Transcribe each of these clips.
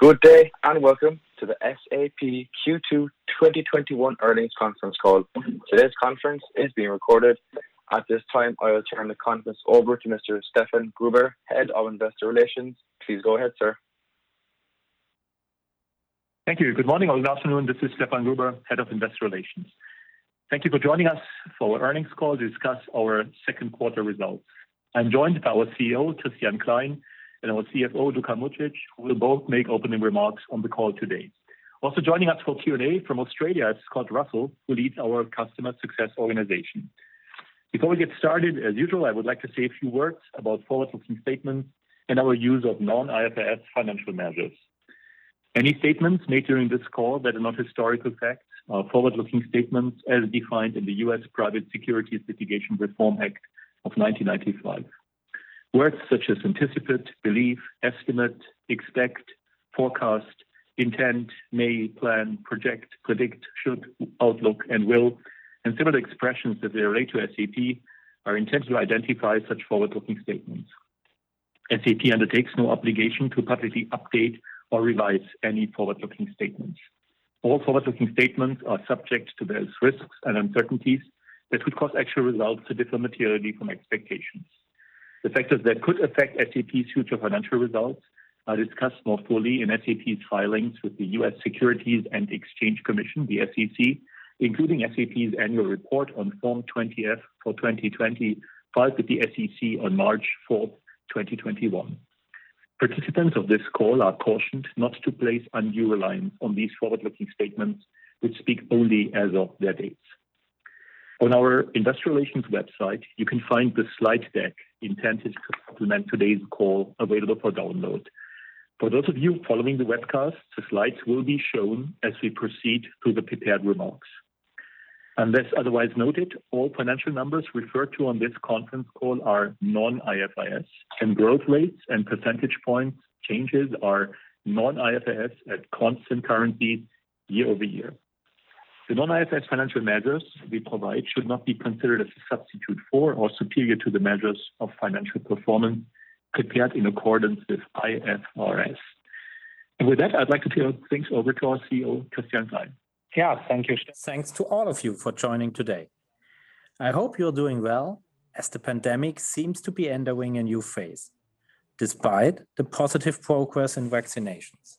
Good day, welcome to the SAP Q2 2021 earnings conference call. Today's conference is being recorded. At this time, I will turn the conference over to Mr. Stefan Gruber, Head of Investor Relations. Please go ahead, sir. Thank you. Good morning or good afternoon. This is Stefan Gruber, Head of Investor Relations. Thank you for joining us for our earnings call to discuss our second quarter results. I'm joined by our CEO, Christian Klein, and our CFO, Luka Mucic, who will both make opening remarks on the call today. Also joining us for Q&A from Australia is Scott Russell, who leads our Customer Success organization. Before we get started, as usual, I would like to say a few words about forward-looking statements and our use of non-IFRS financial measures. Any statements made during this call that are not historical facts are forward-looking statements as defined in the U.S. Private Securities Litigation Reform Act of 1995. Words such as "anticipate," "believe," "estimate," "expect," "forecast," "intend," "may," "plan," "project," "predict," "should," "outlook," and "will," and similar expressions as they relate to SAP are intended to identify such forward-looking statements. SAP undertakes no obligation to publicly update or revise any forward-looking statements. All forward-looking statements are subject to those risks and uncertainties that could cause actual results to differ materially from expectations. The factors that could affect SAP's future financial results are discussed more fully in SAP's filings with the U.S. Securities and Exchange Commission, the SEC, including SAP's annual report on Form 20-F for 2020, filed with the SEC on March 4th, 2021. Participants of this call are cautioned not to place undue reliance on these forward-looking statements, which speak only as of their dates. On our investor relations website, you can find the slide deck intended to complement today's call available for download. For those of you following the webcast, the slides will be shown as we proceed through the prepared remarks. Unless otherwise noted, all financial numbers referred to on this conference call are non-IFRS, and growth rates and percentage points changes are non-IFRS at constant currency year-over-year. The non-IFRS financial measures we provide should not be considered as a substitute for or superior to the measures of financial performance prepared in accordance with IFRS. With that, I'd like to turn things over to our CEO, Christian Klein. Thank you. Thanks to all of you for joining today. I hope you're doing well as the pandemic seems to be entering a new phase, despite the positive progress in vaccinations.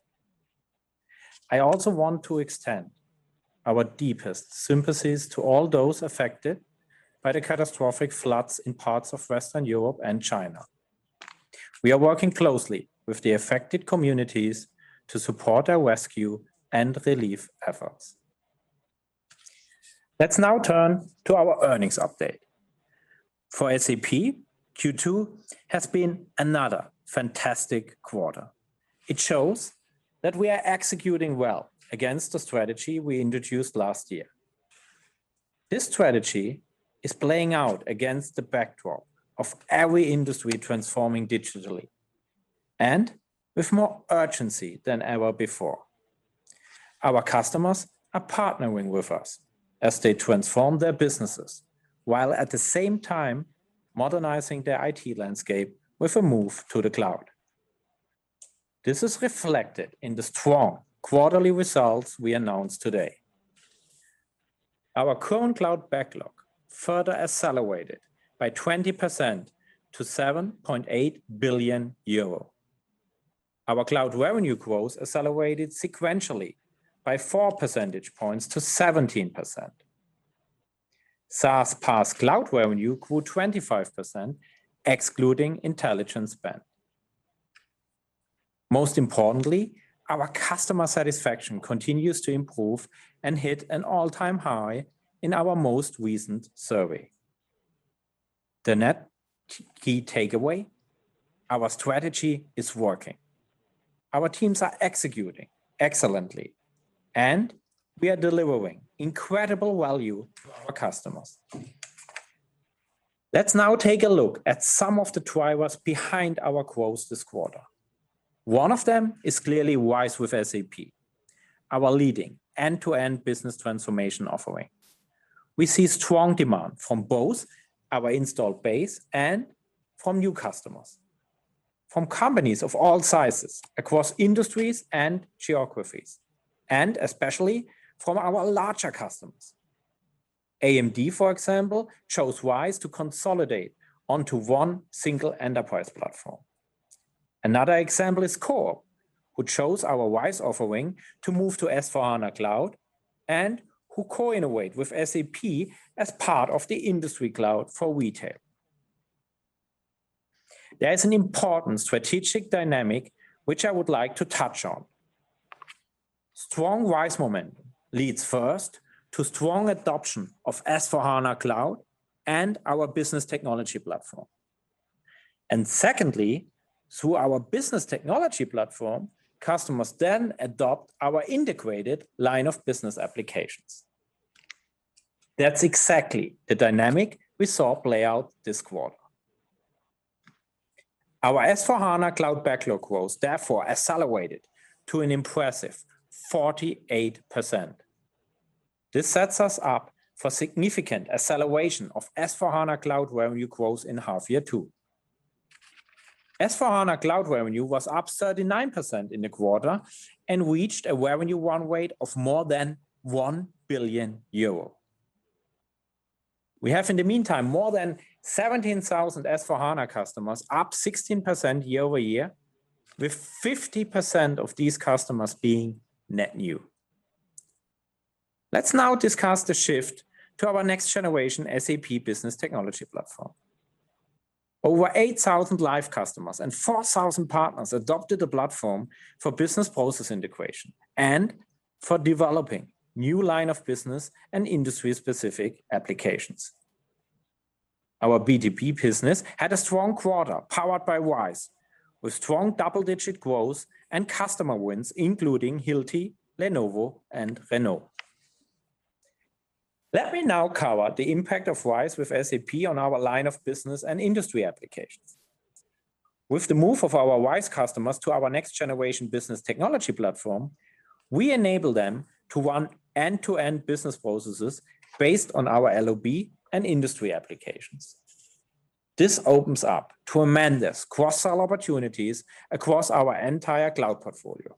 I also want to extend our deepest sympathies to all those affected by the catastrophic floods in parts of Western Europe and China. We are working closely with the affected communities to support our rescue and relief efforts. Let's now turn to our earnings update. For SAP, Q2 has been another fantastic quarter. It shows that we are executing well against the strategy we introduced last year. This strategy is playing out against the backdrop of every industry transforming digitally, and with more urgency than ever before. Our customers are partnering with us as they transform their businesses, while at the same time modernizing their IT landscape with a move to the cloud. This is reflected in the strong quarterly results we announced today. Our Current Cloud Backlog further accelerated by 20% to 7.8 billion euro. Our cloud revenue growth accelerated sequentially by 4 percentage points to 17%. SaaS/PaaS cloud revenue grew 25%, excluding intelligent spend. Most importantly, our customer satisfaction continues to improve and hit an an all-time high in our most recent survey. The net key takeaway, our strategy is working. Our teams are executing excellently, and we are delivering incredible value to our customers. Let's now take a look at some of the drivers behind our growth this quarter. One of them is clearly RISE with SAP, our leading end-to-end business transformation offering. We see strong demand from both our installed base and from new customers, from companies of all sizes across industries and geographies, and especially from our larger customers. AMD, for example, chose RISE to consolidate onto one single enterprise platform. Another example is Coor, who chose our RISE offering to move to S/4HANA Cloud and who co-innovate with SAP as part of the Industry Cloud for retail. There is an important strategic dynamic which I would like to touch on. Strong RISE momentum leads first to strong adoption of S/4HANA Cloud and our Business Technology Platform. Secondly, through our Business Technology Platform, customers then adopt our integrated line of business applications. That's exactly the dynamic we saw play out this quarter. Our S/4HANA Cloud backlog growth, therefore, accelerated to an impressive 48%. This sets us up for significant acceleration of S/4HANA Cloud revenue growth in half year two. S/4HANA Cloud revenue was up 39% in the quarter and reached a revenue run rate of more than 1 billion euro. We have, in the meantime, more than 17,000 S/4HANA customers, up 16% year-over-year, with 50% of these customers being net new. Let's now discuss the shift to our next generation SAP Business Technology Platform. Over 8,000 live customers and 4,000 partners adopted the platform for business process integration and for developing new line of business and industry-specific applications. Our BTP business had a strong quarter, powered by RISE, with strong double-digit growth and customer wins, including Hilti, Lenovo and Renault. Let me now cover the impact of RISE with SAP on our line of business and industry applications. With the move of our RISE customers to our next generation Business Technology Platform, we enable them to run end-to-end business processes based on our LOB and industry applications. This opens up tremendous cross-sell opportunities across our entire cloud portfolio.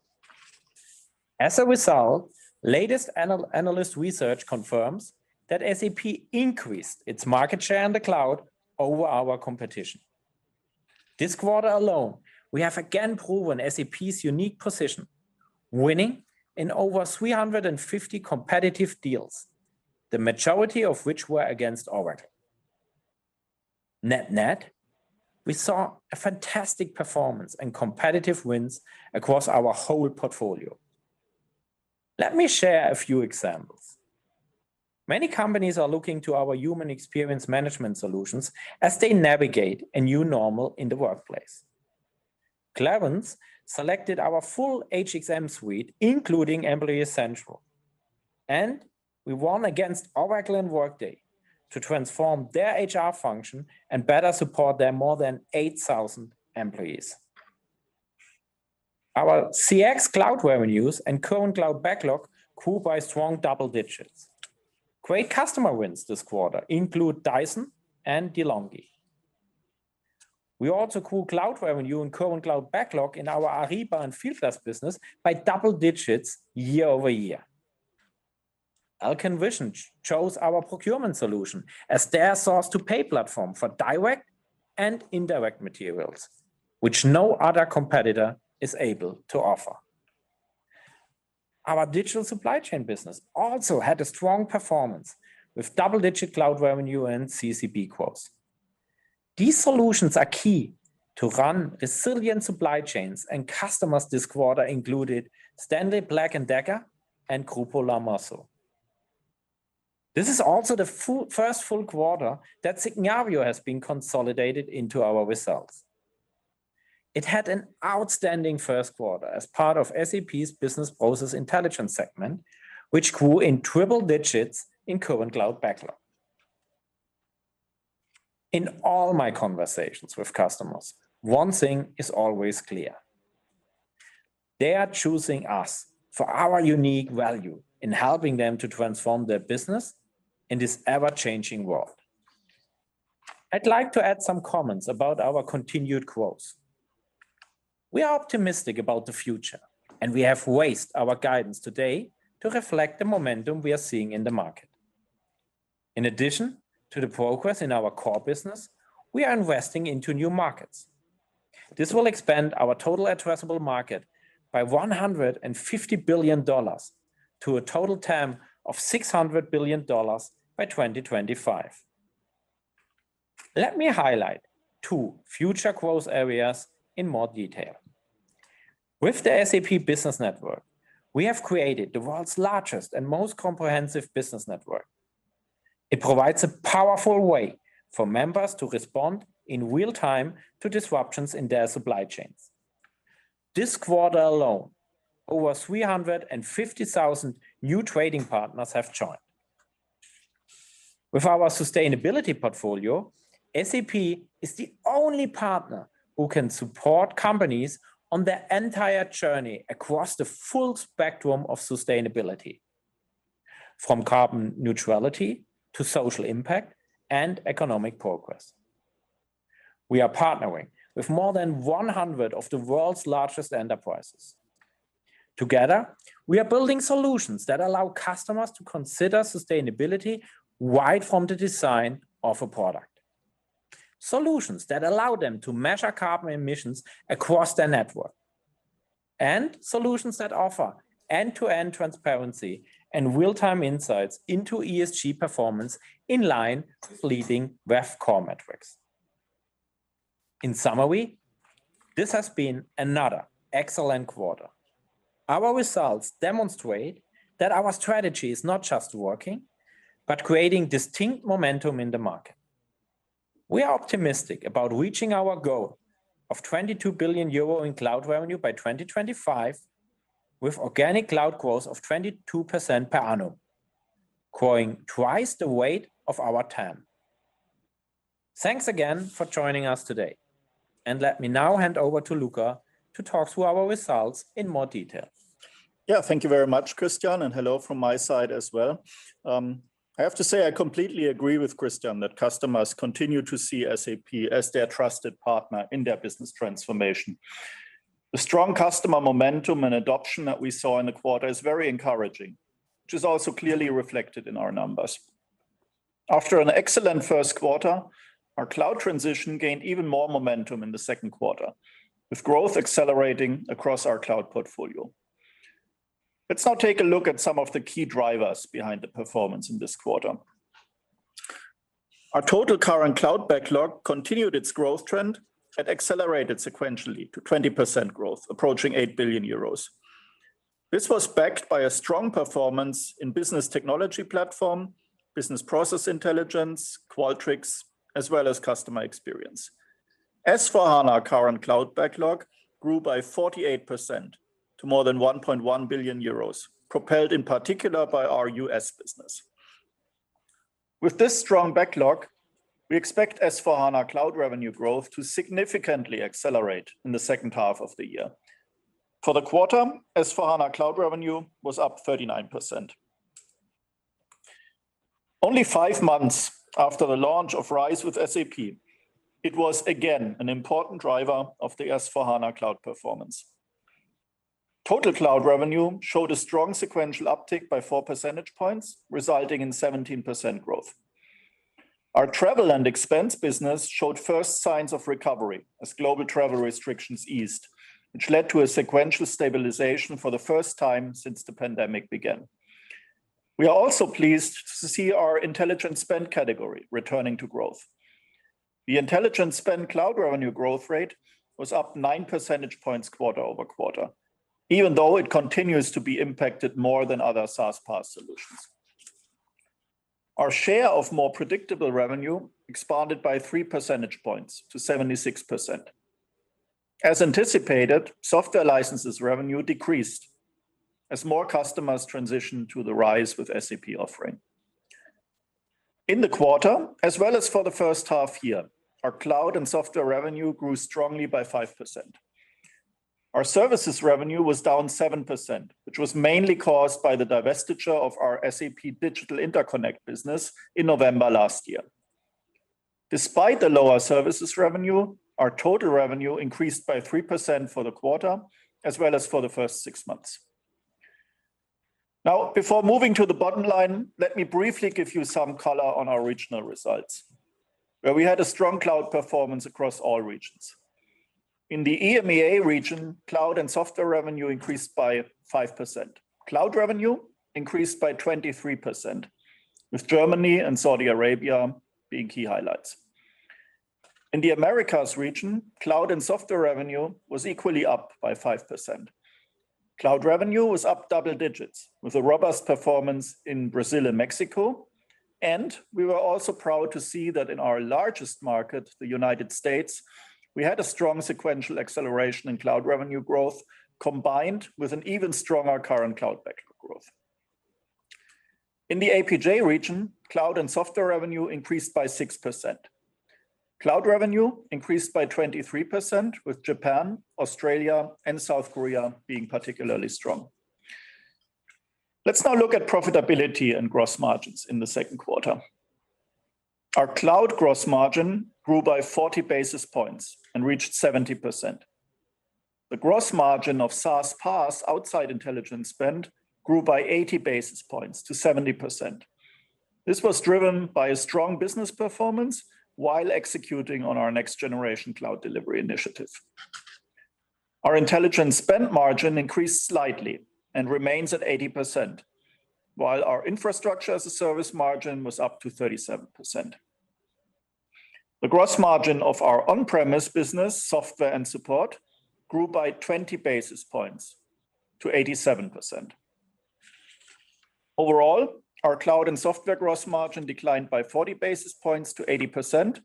As a result, latest analyst research confirms that SAP increased its market share in the cloud over our competition. This quarter alone, we have again proven SAP's unique position, winning in over 350 competitive deals, the majority of which were against Oracle. Net-net, we saw a fantastic performance and competitive wins across our whole portfolio. Let me share a few examples. Many companies are looking to our human experience management solutions as they navigate a new normal in the workplace. Cleverence selected our full HXM suite, including Employee Central, and we won against Oracle and Workday to transform their HR function and better support their more than 8,000 employees. Our CX Cloud revenues and Current Cloud Backlog grew by strong double digits. Great customer wins this quarter include Dyson and De'Longhi. We also grew cloud revenue and Current Cloud Backlog in our Ariba and Fieldglass business by double digits year-over-year. Alcon Vision chose our procurement solution as their source-to-pay platform for direct and indirect materials, which no other competitor is able to offer. Our digital supply chain business also had a strong performance, with double-digit cloud revenue and CCB growth. These solutions are key to run resilient supply chains, and customers this quarter included Stanley Black & Decker and Grupo Lamosa. This is also the first full quarter that Signavio has been consolidated into our results. It had an outstanding first quarter as part of SAP's Business Process Intelligence segment, which grew in triple digits in Current Cloud Backlog. In all my conversations with customers, one thing is always clear. They are choosing us for our unique value in helping them to transform their business in this ever-changing world. I'd like to add some comments about our continued growth. We are optimistic about the future, and we have raised our guidance today to reflect the momentum we are seeing in the market. In addition to the progress in our core business, we are investing into new markets. This will expand our total addressable market by EUR 150 billion, to a total TAM of EUR 600 billion by 2025. Let me highlight two future growth areas in more detail. With the SAP Business Network, we have created the world's largest and most comprehensive business network. It provides a powerful way for members to respond in real time to disruptions in their supply chains. This quarter alone, over 350,000 new trading partners have joined. With our sustainability portfolio, SAP is the only partner who can support companies on their entire journey across the full spectrum of sustainability, from carbon neutrality to social impact and economic progress. We are partnering with more than 100 of the world's largest enterprises. Together, we are building solutions that allow customers to consider sustainability right from the design of a product, solutions that allow them to measure carbon emissions across their network, and solutions that offer end-to-end transparency and real-time insights into ESG performance in line with leading WEF metrics. In summary, this has been another excellent quarter. Our results demonstrate that our strategy is not just working, but creating distinct momentum in the market. We are optimistic about reaching our goal of 22 billion euro in cloud revenue by 2025, with organic cloud growth of 22% per annum, growing twice the rate of our TAM. Thanks again for joining us today. Let me now hand over to Luka to talk through our results in more detail. Thank you very much, Christian, and hello from my side as well. I have to say, I completely agree with Christian that customers continue to see SAP as their trusted partner in their business transformation. The strong customer momentum and adoption that we saw in the quarter is very encouraging, which is also clearly reflected in our numbers. After an excellent first quarter, our cloud transition gained even more momentum in the second quarter, with growth accelerating across our cloud portfolio. Let's now take a look at some of the key drivers behind the performance in this quarter. Our total Current Cloud Backlog continued its growth trend and accelerated sequentially to 20% growth, approaching 8 billion euros. This was backed by a strong performance in Business Technology Platform, Business Process Intelligence, Qualtrics, as well as Customer Experience. S/4HANA Current Cloud Backlog grew by 48% to more than 1.1 billion euros, propelled in particular by our US business. With this strong backlog, we expect S/4HANA cloud revenue growth to significantly accelerate in the second half of the year. For the quarter, S/4HANA cloud revenue was up 39%. Only five months after the launch of RISE with SAP, it was again an important driver of the S/4HANA cloud performance. Total cloud revenue showed a strong sequential uptick by 4 percentage points, resulting in 17% growth. Our travel and expense business showed first signs of recovery as global travel restrictions eased, which led to a sequential stabilization for the first time since the pandemic began. We are also pleased to see our intelligent spend category returning to growth. The intelligent spend cloud revenue growth rate was up 9 percentage points quarter-over-quarter, even though it continues to be impacted more than other SaaS/PaaS solutions. Our share of more predictable revenue expanded by 3 percentage points to 76%. As anticipated, software licenses revenue decreased as more customers transitioned to the RISE with SAP offering. In the quarter, as well as for the first half year, our cloud and software revenue grew strongly by 5%. Our services revenue was down 7%, which was mainly caused by the divestiture of our SAP Digital Interconnect business in November last year. Despite the lower services revenue, our total revenue increased by 3% for the quarter as well as for the first six months. Before moving to the bottom line, let me briefly give you some color on our regional results, where we had a strong cloud performance across all regions. In the EMEA region, cloud and software revenue increased by 5%. Cloud revenue increased by 23%, with Germany and Saudi Arabia being key highlights. In the Americas region, cloud and software revenue was equally up by 5%. Cloud revenue was up double digits, with a robust performance in Brazil and Mexico, and we were also proud to see that in our largest market, the United States, we had a strong sequential acceleration in cloud revenue growth, combined with an even stronger Current Cloud Backlog growth. In the APJ region, cloud and software revenue increased by 6%. Cloud revenue increased by 23%, with Japan, Australia, and South Korea being particularly strong. Let's now look at profitability and gross margins in the second quarter. Our cloud gross margin grew by 40 basis points and reached 70%. The gross margin of SaaS/PaaS outside intelligent spend grew by 80 basis points to 70%. This was driven by a strong business performance while executing on our next generation cloud delivery initiative. Our intelligent spend margin increased slightly and remains at 80%, while our infrastructure as a service margin was up to 37%. The gross margin of our on-premise business software and support grew by 20 basis points to 87%. Overall, our cloud and software gross margin declined by 40 basis points to 80%,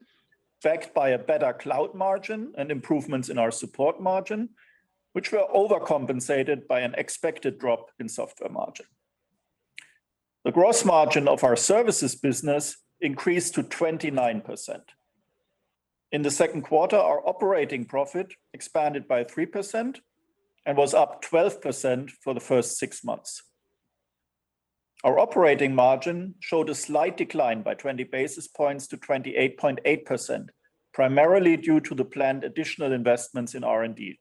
backed by a better cloud margin and improvements in our support margin, which were overcompensated by an expected drop in software margin. The gross margin of our services business increased to 29%. In the second quarter, our operating profit expanded by 3% and was up 12% for the first six months. Our operating margin showed a slight decline by 20 basis points to 28.8%, primarily due to the planned additional investments in R&D.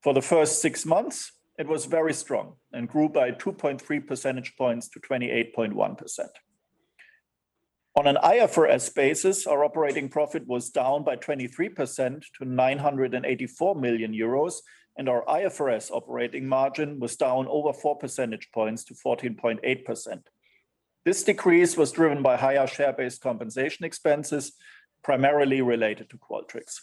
For the first six months, it was very strong and grew by 2.3 percentage points to 28.1%. On an IFRS basis, our operating profit was down by 23% to 984 million euros, and our IFRS operating margin was down over 4 percentage points to 14.8%. This decrease was driven by higher share-based compensation expenses, primarily related to Qualtrics.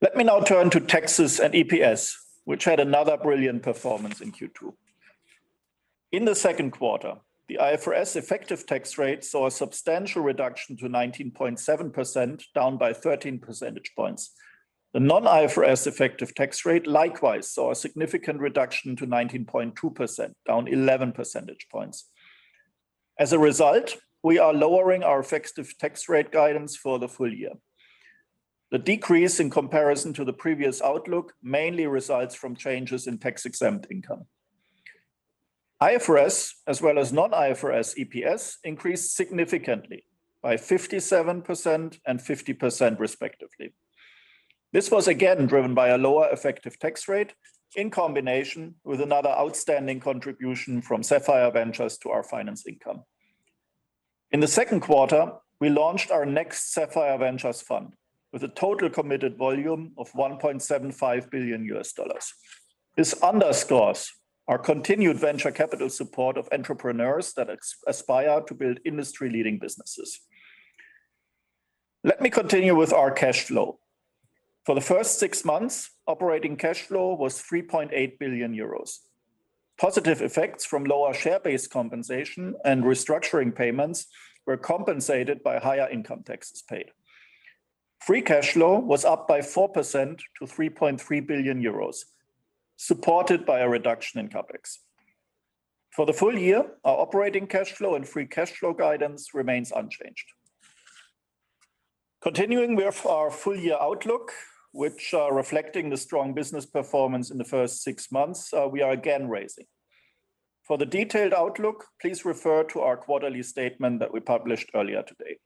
Let me now turn to taxes and EPS, which had another brilliant performance in Q2. In the second quarter, the IFRS effective tax rate saw a substantial reduction to 19.7%, down by 13 percentage points. The non-IFRS effective tax rate likewise saw a significant reduction to 19.2%, down 11 percentage points. As a result, we are lowering our effective tax rate guidance for the full year. The decrease in comparison to the previous outlook mainly results from changes in tax-exempt income. IFRS, as well as non-IFRS EPS, increased significantly by 57% and 50% respectively. This was again driven by a lower effective tax rate in combination with another outstanding contribution from Sapphire Ventures to our finance income. In the second quarter, we launched our next Sapphire Ventures fund with a total committed volume of $1.75 billion. This underscores our continued venture capital support of entrepreneurs that aspire to build industry-leading businesses. Let me continue with our cash flow. For the first six months, operating cash flow was 3.8 billion euros. Positive effects from lower share-based compensation and restructuring payments were compensated by higher income taxes paid. Free cash flow was up by 4% to 3.3 billion euros, supported by a reduction in CapEx. For the full year, our operating cash flow and free cash flow guidance remains unchanged. Continuing with our full-year outlook, which are reflecting the strong business performance in the first six months, we are again raising. For the detailed outlook, please refer to our quarterly statement that we published earlier today.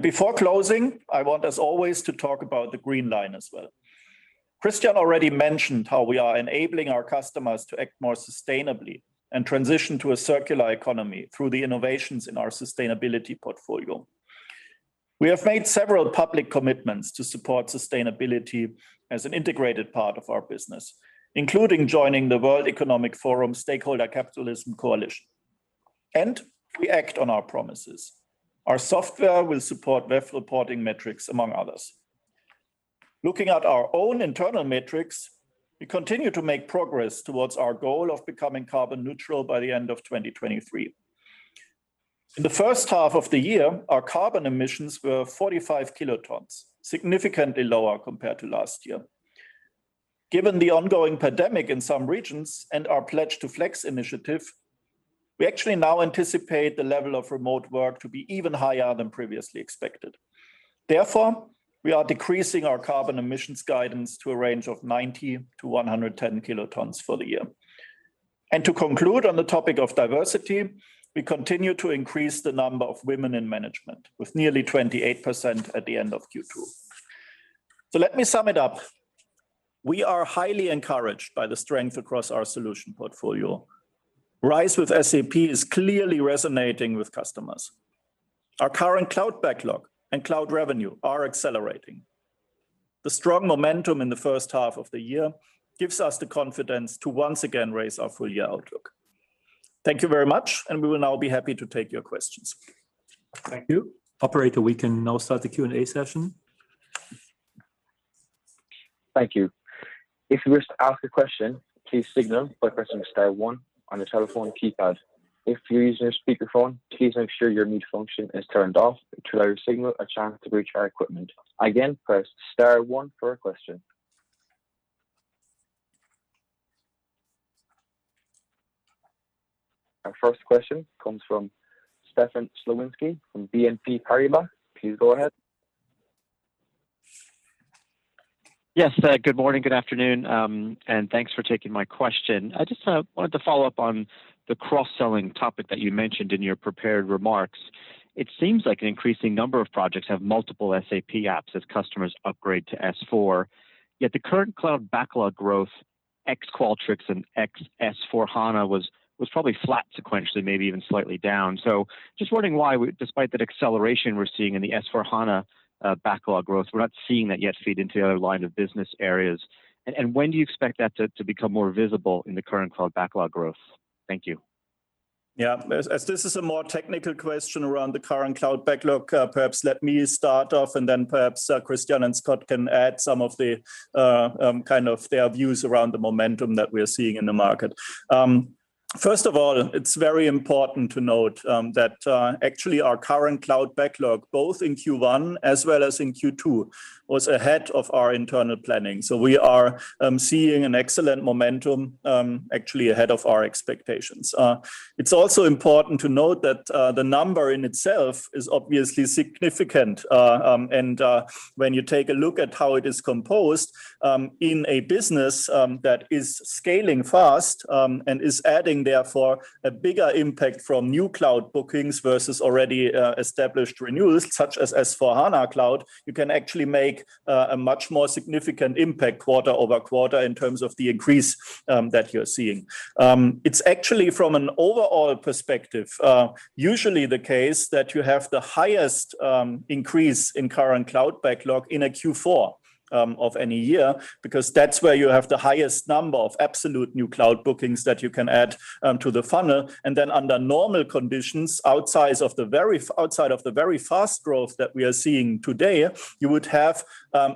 Before closing, I want as always to talk about the green line as well. Christian already mentioned how we are enabling our customers to act more sustainably and transition to a circular economy through the innovations in our sustainability portfolio. We have made several public commitments to support sustainability as an integrated part of our business, including joining the World Economic Forum Stakeholder Capitalism Coalition. We act on our promises. Our software will support WEF reporting metrics, among others. Looking at our own internal metrics, we continue to make progress towards our goal of becoming carbon neutral by the end of 2023. In the first half of the year, our carbon emissions were 45 kt, significantly lower compared to last year. Given the ongoing pandemic in some regions and our Pledge to Flex initiative, we actually now anticipate the level of remote work to be even higher than previously expected. We are decreasing our carbon emissions guidance to a range of 90-110 kt for the year. To conclude on the topic of diversity, we continue to increase the number of women in management, with nearly 28% at the end of Q2. Let me sum it up. We are highly encouraged by the strength across our solution portfolio. RISE with SAP is clearly resonating with customers. Our Current Cloud Backlog and cloud revenue are accelerating. The strong momentum in the first half of the year gives us the confidence to once again raise our full-year outlook. Thank you very much, and we will now be happy to take your questions. Thank you. Operator, we can now start the Q&A session. Thank you. If you wish to ask a question please signal by pressing star one on your telephone keypad. If you are using speaker phone please make sure your mute function is turned off to give signal a chance to reach our coordinator. Again press star one for a question. Our first question comes from Stefan Slowinski from BNP Paribas. Please go ahead. Yes. Good morning, good afternoon, and thanks for taking my question. I just wanted to follow up on the cross-selling topic that you mentioned in your prepared remarks. It seems like an increasing number of projects have multiple SAP apps as customers upgrade to S/4. Yet the Current Cloud Backlog growth ex Qualtrics and ex S/4HANA was probably flat sequentially, maybe even slightly down. Just wondering why, despite that acceleration we're seeing in the S/4HANA backlog growth, we're not seeing that yet feed into the other lines of business areas. When do you expect that to become more visible in the Current Cloud Backlog growth? Thank you. As this is a more technical question around the Current Cloud Backlog, perhaps let me start off and then perhaps Christian and Scott can add some of their views around the momentum that we're seeing in the market. First of all, it's very important to note that actually our Current Cloud Backlog, both in Q1 as well as in Q2, was ahead of our internal planning. We are seeing an excellent momentum actually ahead of our expectations. It's also important to note that the number in itself is obviously significant. When you take a look at how it is composed in a business that is scaling fast and is adding therefore a bigger impact from new cloud bookings versus already established renewals such as S/4HANA Cloud, you can actually make a much more significant impact quarter-over-quarter in terms of the increase that you're seeing. It's actually from an overall perspective usually the case that you have the highest increase in Current Cloud Backlog in a Q4 of any year because that's where you have the highest number of absolute new cloud bookings that you can add to the funnel. Under normal conditions, outside of the very fast growth that we are seeing today, you would have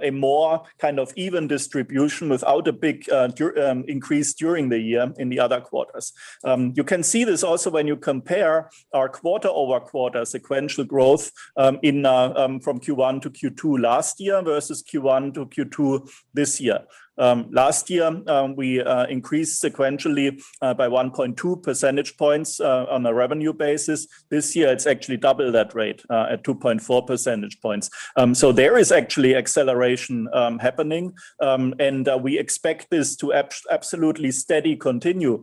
a more kind of even distribution without a big increase during the year in the other quarters. You can see this also when you compare our quarter-over-quarter sequential growth from Q1 to Q2 last year versus Q1 to Q2 this year. Last year, we increased sequentially by 1.2 percentage points on a revenue basis. This year, it's actually double that rate at 2.4 percentage points. There is actually acceleration happening, and we expect this to absolutely steady continue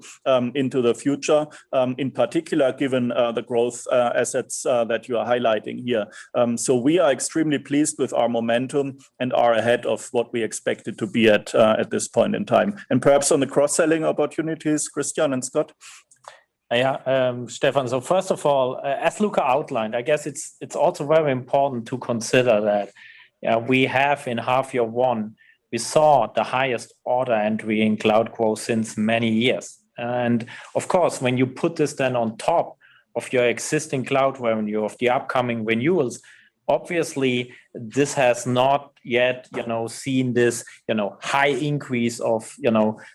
into the future, in particular given the growth assets that you are highlighting here. We are extremely pleased with our momentum and are ahead of what we expected to be at this point in time. Perhaps on the cross-selling opportunities, Christian and Scott. Yeah, Stefan. First of all, as Luka outlined, I guess it's also very important to consider that in half year one, we saw the highest order entry in cloud growth since many years. Of course, when you put this then on top of your existing cloud revenue of the upcoming renewals, obviously this has not yet seen this high increase of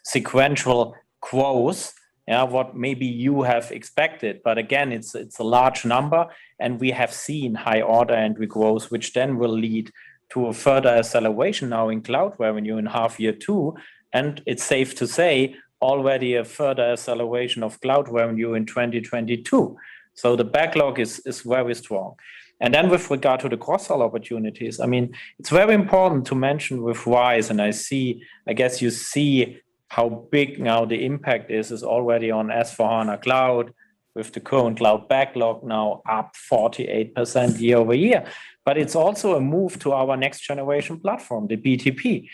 sequential growth, what maybe you have expected. Again, it's a large number, and we have seen high order entry growth, which then will lead to a further acceleration now in cloud revenue in half year two, and it's safe to say already a further acceleration of cloud revenue in 2022. The backlog is very strong. With regard to the cross-sell opportunities, it's very important to mention with RISE, and I guess you see how big now the impact is. It's already on S/4HANA Cloud with the current cloud backlog now up 48% year-over-year. It's also a move to our next generation platform, the BTP.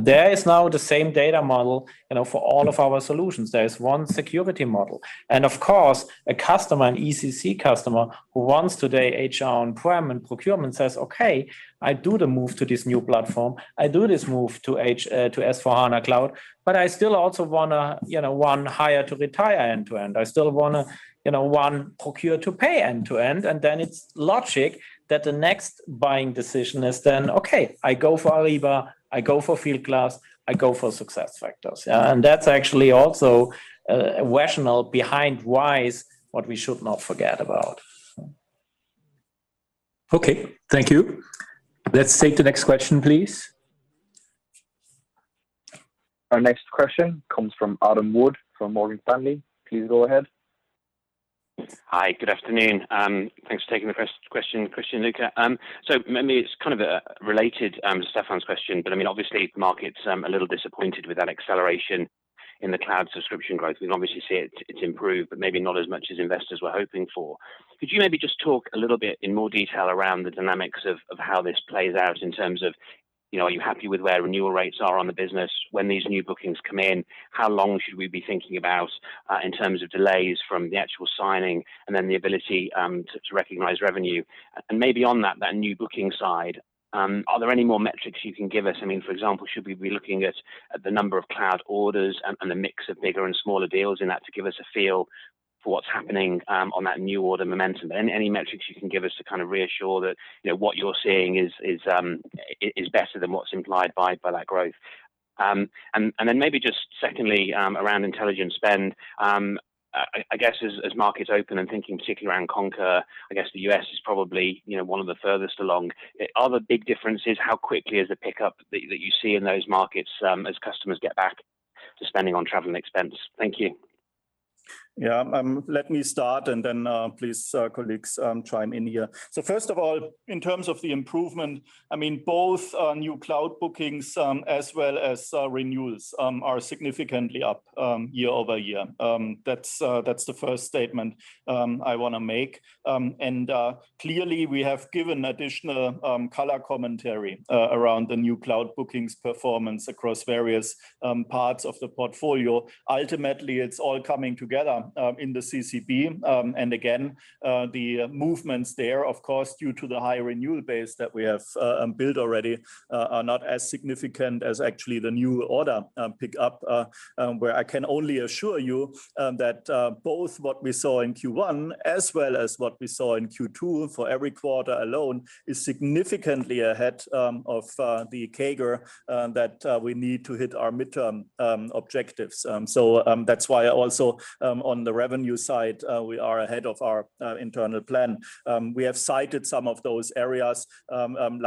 There is now the same data model for all of our solutions. There is one security model. Of course, an ECC customer who wants today HR on-prem and procurement says, "Okay, I do the move to this new platform. I do this move to S/4HANA Cloud, but I still also want to one hire to retire end-to-end. I still want to one procure to pay end-to-end." Then it's logic that the next buying decision is then, "Okay, I go for Ariba, I go for Fieldglass, I go for SuccessFactors." That's actually also rationale behind RISE, what we should not forget about. Okay. Thank you. Let's take the next question, please. Our next question comes from Adam Wood from Morgan Stanley. Please go ahead. Hi. Good afternoon. Thanks for taking the question, Christian, Luka. Maybe it's kind of related to Stefan's question. Obviously, the market's a little disappointed with that acceleration in the cloud subscription growth. We can obviously see it's improved, but maybe not as much as investors were hoping for. Could you maybe just talk a little bit in more detail around the dynamics of how this plays out in terms of, are you happy with where renewal rates are on the business? When these new bookings come in, how long should we be thinking about, in terms of delays from the actual signing and then the ability to recognize revenue? Maybe on that new booking side, are there any more metrics you can give us? For example, should we be looking at the number of cloud orders and the mix of bigger and smaller deals in that to give us a feel for what's happening on that new order momentum? Any metrics you can give us to kind of reassure that what you're seeing is better than what's implied by that growth. Maybe just secondly, around intelligent spend. I guess as markets open, I'm thinking particularly around Concur. I guess the U.S. is probably one of the furthest along. Are there big differences? How quickly is the pickup that you see in those markets as customers get back to spending on travel and expense? Thank you. Yeah. Let me start and then, please, colleagues, chime in here. First of all, in terms of the improvement, both new cloud bookings as well as renewals are significantly up year-over-year. That's the first statement I want to make. Clearly we have given additional color commentary around the new cloud bookings performance across various parts of the portfolio. Ultimately, it's all coming together in the CCB. Again, the movements there, of course, due to the high renewal base that we have built already, are not as significant as actually the new order pickup, where I can only assure you that both what we saw in Q1 as well as what we saw in Q2 for every quarter alone, is significantly ahead of the CAGR that we need to hit our midterm objectives. That's why also, on the revenue side, we are ahead of our internal plan. We have cited some of those areas,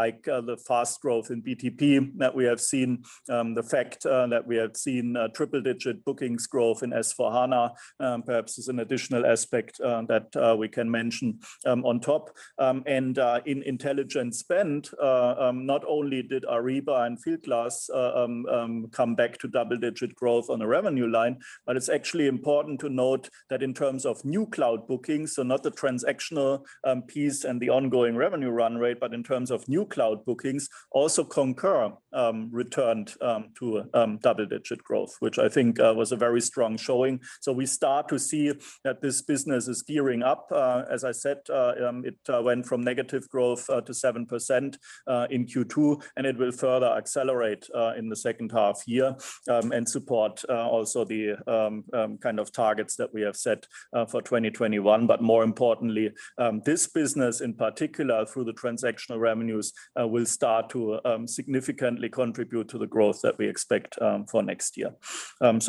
like the fast growth in BTP that we have seen. The fact that we have seen triple-digit bookings growth in S/4HANA perhaps is an additional aspect that we can mention on top. In intelligent spend, not only did Ariba and Fieldglass come back to double-digit growth on the revenue line, but it's actually important to note that in terms of new cloud bookings, so not the transactional piece and the ongoing revenue run rate, but in terms of new cloud bookings, also Concur returned to double-digit growth, which I think was a very strong showing. We start to see that this business is gearing up. As I said, it went from negative growth to 7% in Q2, and it will further accelerate in the second half year, and support also the kind of targets that we have set for 2021. More importantly, this business in particular, through the transactional revenues, will start to significantly contribute to the growth that we expect for next year.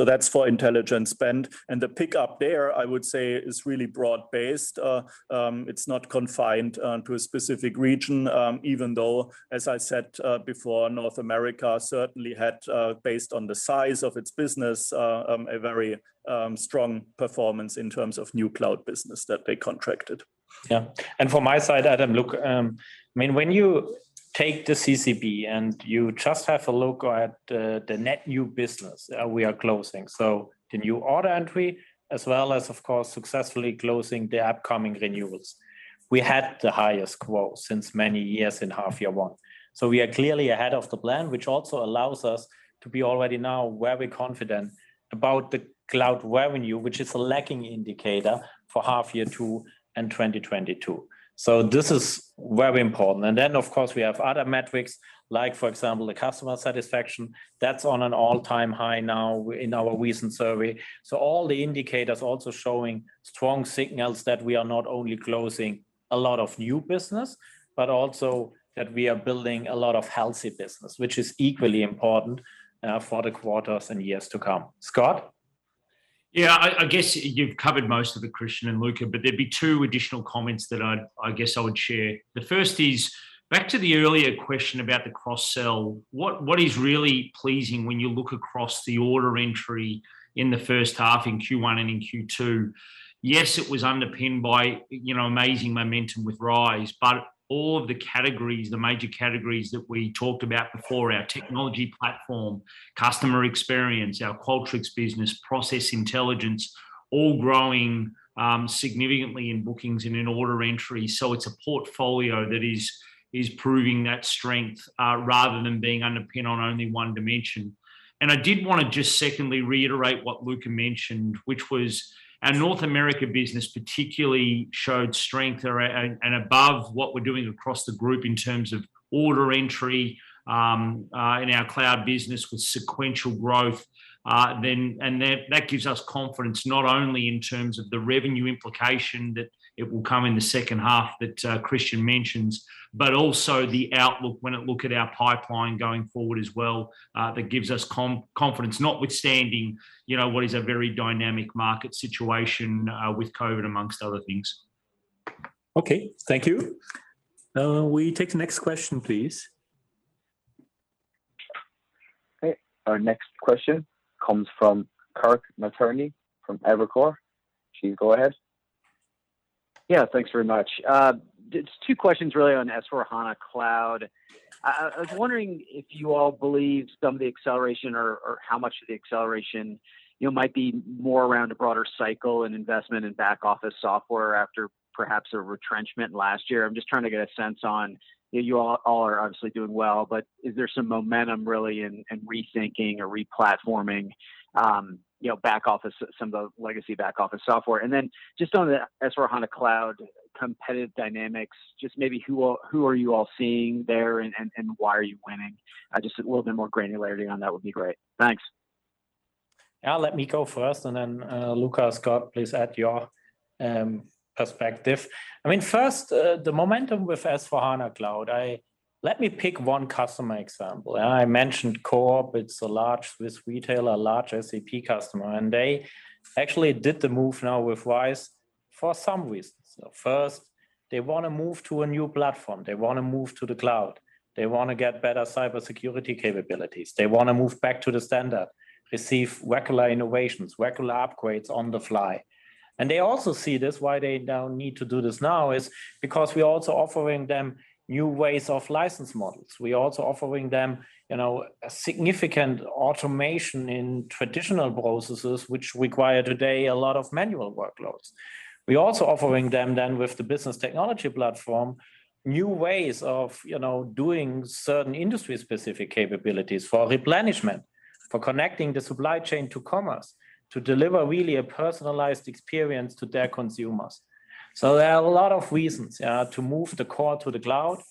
That's for intelligent spend. The pickup there, I would say, is really broad based. It's not confined to a specific region, even though, as I said before, North America certainly had, based on the size of its business, a very strong performance in terms of new cloud business that they contracted. From my side, Adam, look, when you take the CCB and you just have a look at the net new business we are closing. The new order entry, as well as, of course, successfully closing the upcoming renewals. We had the highest quote since many years in half year one. We are clearly ahead of the plan, which also allows us to be already now very confident about the cloud revenue, which is a lagging indicator for half year two and 2022. This is very important. Of course, we have other metrics like, for example, the customer satisfaction. That's on an all-time high now in our recent survey. All the indicators also showing strong signals that we are not only closing a lot of new business, but also that we are building a lot of healthy business, which is equally important for the quarters and years to come. Scott? Yeah, I guess you've covered most of it, Christian and Luka, but there'd be two additional comments that I guess I would share. The first is back to the earlier question about the cross-sell. What is really pleasing when you look across the order entry in the first half in Q1 and in Q2, yes, it was underpinned by amazing momentum with RISE. All of the categories, the major categories that we talked about before, our Business Technology Platform, CX Cloud, our Qualtrics business, Business Process Intelligence, all growing significantly in bookings and in order entry. It's a portfolio that is proving that strength rather than being underpinned on only one dimension. I did want to just secondly reiterate what Luka mentioned, which was our North America business particularly showed strength and above what we're doing across the group in terms of order entry in our cloud business with sequential growth. That gives us confidence not only in terms of the revenue implication that it will come in the second half that Christian mentions, but also the outlook when we look at our pipeline going forward as well, that gives us confidence notwithstanding what is a very dynamic market situation with COVID amongst other things. Okay. Thank you. We take the next question, please. Okay. Our next question comes from Kirk Materne from Evercore. Please go ahead. Yeah. Thanks very much. Just two questions really on S/4HANA Cloud. I was wondering if you all believe some of the acceleration or how much of the acceleration might be more around a broader cycle and investment in back office software after perhaps a retrenchment last year. I'm just trying to get a sense on, you all are obviously doing well, but is there some momentum really in rethinking or re-platforming some of the legacy back office software? Just on the S/4HANA Cloud competitive dynamics, just maybe who are you all seeing there and why are you winning? Just a little bit more granularity on that would be great. Thanks. Let me go first and then Luka, Scott, please add your perspective. First, the momentum with S/4HANA Cloud. Let me pick one customer example. I mentioned Coop. It's a large Swiss retailer, large SAP customer, and they actually did the move now with RISE for some reasons. First, they want to move to a new platform. They want to move to the cloud. They want to get better cybersecurity capabilities. They want to move back to the standard, receive regular innovations, regular upgrades on the fly. They also see this, why they now need to do this now is because we're also offering them new ways of license models. We're also offering them a significant automation in traditional processes, which require today a lot of manual workloads. We're also offering them with the Business Technology Platform, new ways of doing certain industry-specific capabilities for replenishment, for connecting the supply chain to commerce, to deliver really a personalized experience to their consumers. There are a lot of reasons to move the core to the cloud,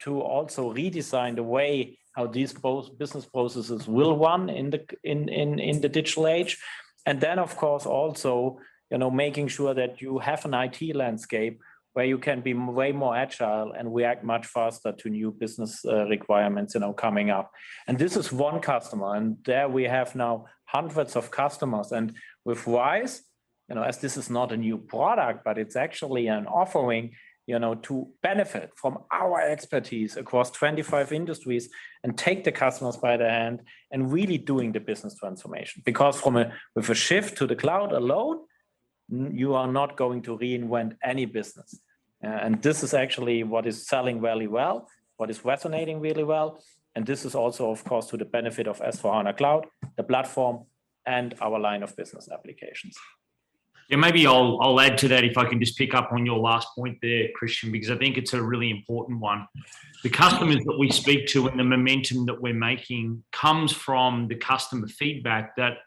to also redesign the way how these business processes will run in the digital age. Of course, also making sure that you have an IT landscape where you can be way more agile and react much faster to new business requirements coming up. This is one customer, and there we have now hundreds of customers. With RISE, as this is not a new product, but it's actually an offering, to benefit from our expertise across 25 industries and take the customers by the hand and really doing the business transformation. With a shift to the cloud alone, you are not going to reinvent any business. This is actually what is selling really well, what is resonating really well, and this is also, of course, to the benefit of S/4HANA Cloud, the platform, and our line of business applications. Yeah. Maybe I'll add to that if I can just pick up on your last point there, Christian, because I think it's a really important one. The customers that we speak to and the momentum that we're making comes from the customer feedback that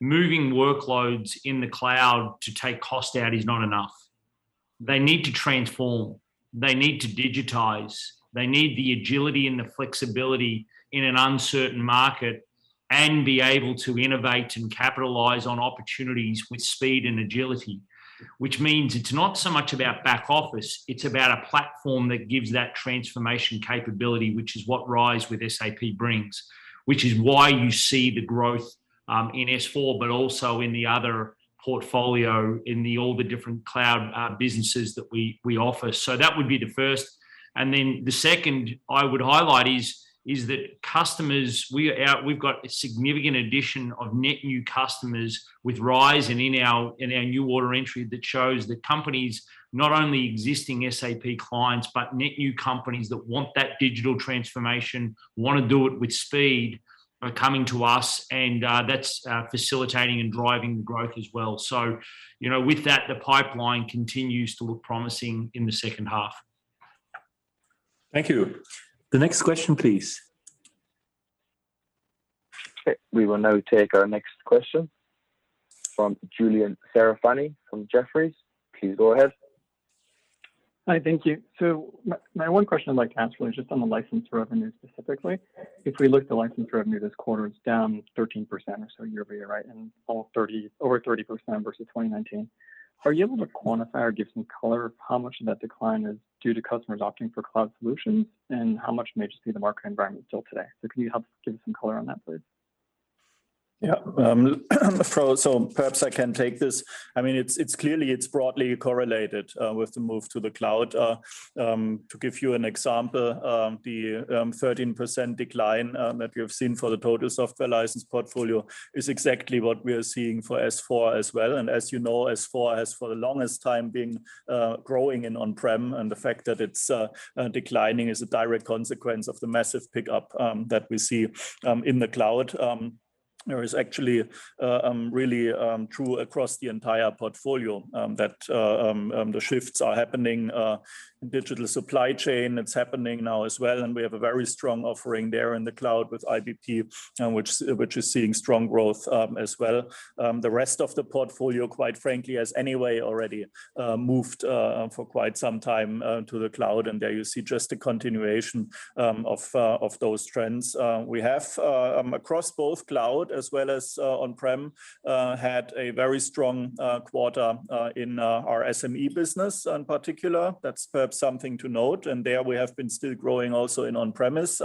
moving workloads in the cloud to take cost out is not enough. They need to transform. They need to digitize. They need the agility and the flexibility in an uncertain market and be able to innovate and capitalize on opportunities with speed and agility, which means it's not so much about back office, it's about a platform that gives that transformation capability, which is what RISE with SAP brings. Which is why you see the growth in S/4, also in the other portfolio in all the different cloud businesses that we offer. That would be the first. The second I would highlight is that customers, we've got a significant addition of net new customers with RISE and in our new order entry that shows that companies, not only existing SAP clients, but net new companies that want that digital transformation, want to do it with speed, are coming to us, and that's facilitating and driving growth as well. With that, the pipeline continues to look promising in the second half. Thank you. The next question, please. Okay, we will now take our next question from Julian Serafini from Jefferies. Please go ahead. Hi, thank you. My one question I'd like to ask really is just on the license revenue specifically. If we look at the license revenue this quarter, it's down 13% or so year-over-year. Right? Over 30% versus 2019. Are you able to quantify or give some color how much of that decline is due to customers opting for cloud solutions, and how much may just be the market environment still today? Can you help give some color on that, please? Yeah. Perhaps I can take this. It's clearly, it's broadly correlated with the move to the cloud. To give you an example, the 13% decline that we have seen for the total software license portfolio is exactly what we are seeing for S/4 as well. As you know, S/4 has for the longest time been growing in on-prem, and the fact that it's declining is a direct consequence of the massive pickup that we see in the cloud. It is actually really true across the entire portfolio that the shifts are happening. Digital supply chain, it's happening now as well, and we have a very strong offering there in the cloud with IBP, which is seeing strong growth as well. The rest of the portfolio, quite frankly, has anyway already moved for quite some time to the cloud, and there you see just a continuation of those trends. We have, across both cloud as well as on-prem, had a very strong quarter in our SME business in particular. That's perhaps something to note. There we have been still growing also in on-premise.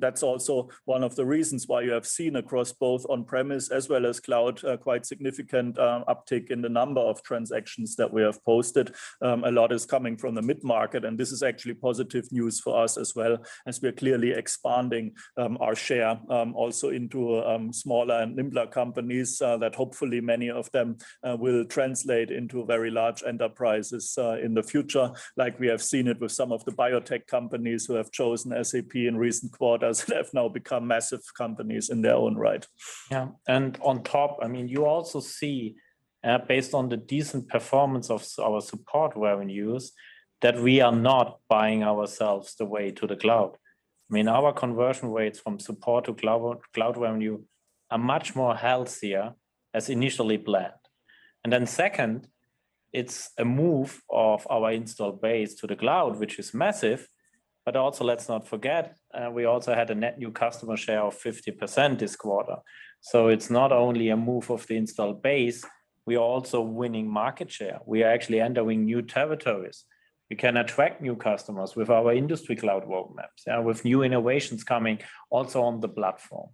That's also one of the reasons why you have seen across both on-premise as well as cloud, quite significant uptick in the number of transactions that we have posted. A lot is coming from the mid-market, and this is actually positive news for us as well as we're clearly expanding our share also into smaller and nimbler companies that hopefully many of them will translate into very large enterprises in the future. Like we have seen it with some of the biotech companies who have chosen SAP in recent quarters that have now become massive companies in their own right. Yeah. On top, you also see based on the decent performance of our support revenues, that we are not buying ourselves the way to the cloud. Our conversion rates from support to cloud revenue are much more healthier as initially planned. Then second, it's a move of our installed base to the cloud, which is massive, but also, let's not forget, we also had a net new customer share of 50% this quarter. It's not only a move of the installed base, we are also winning market share. We are actually entering new territories. We can attract new customers with our Industry Cloud roadmaps, with new innovations coming also on the platform.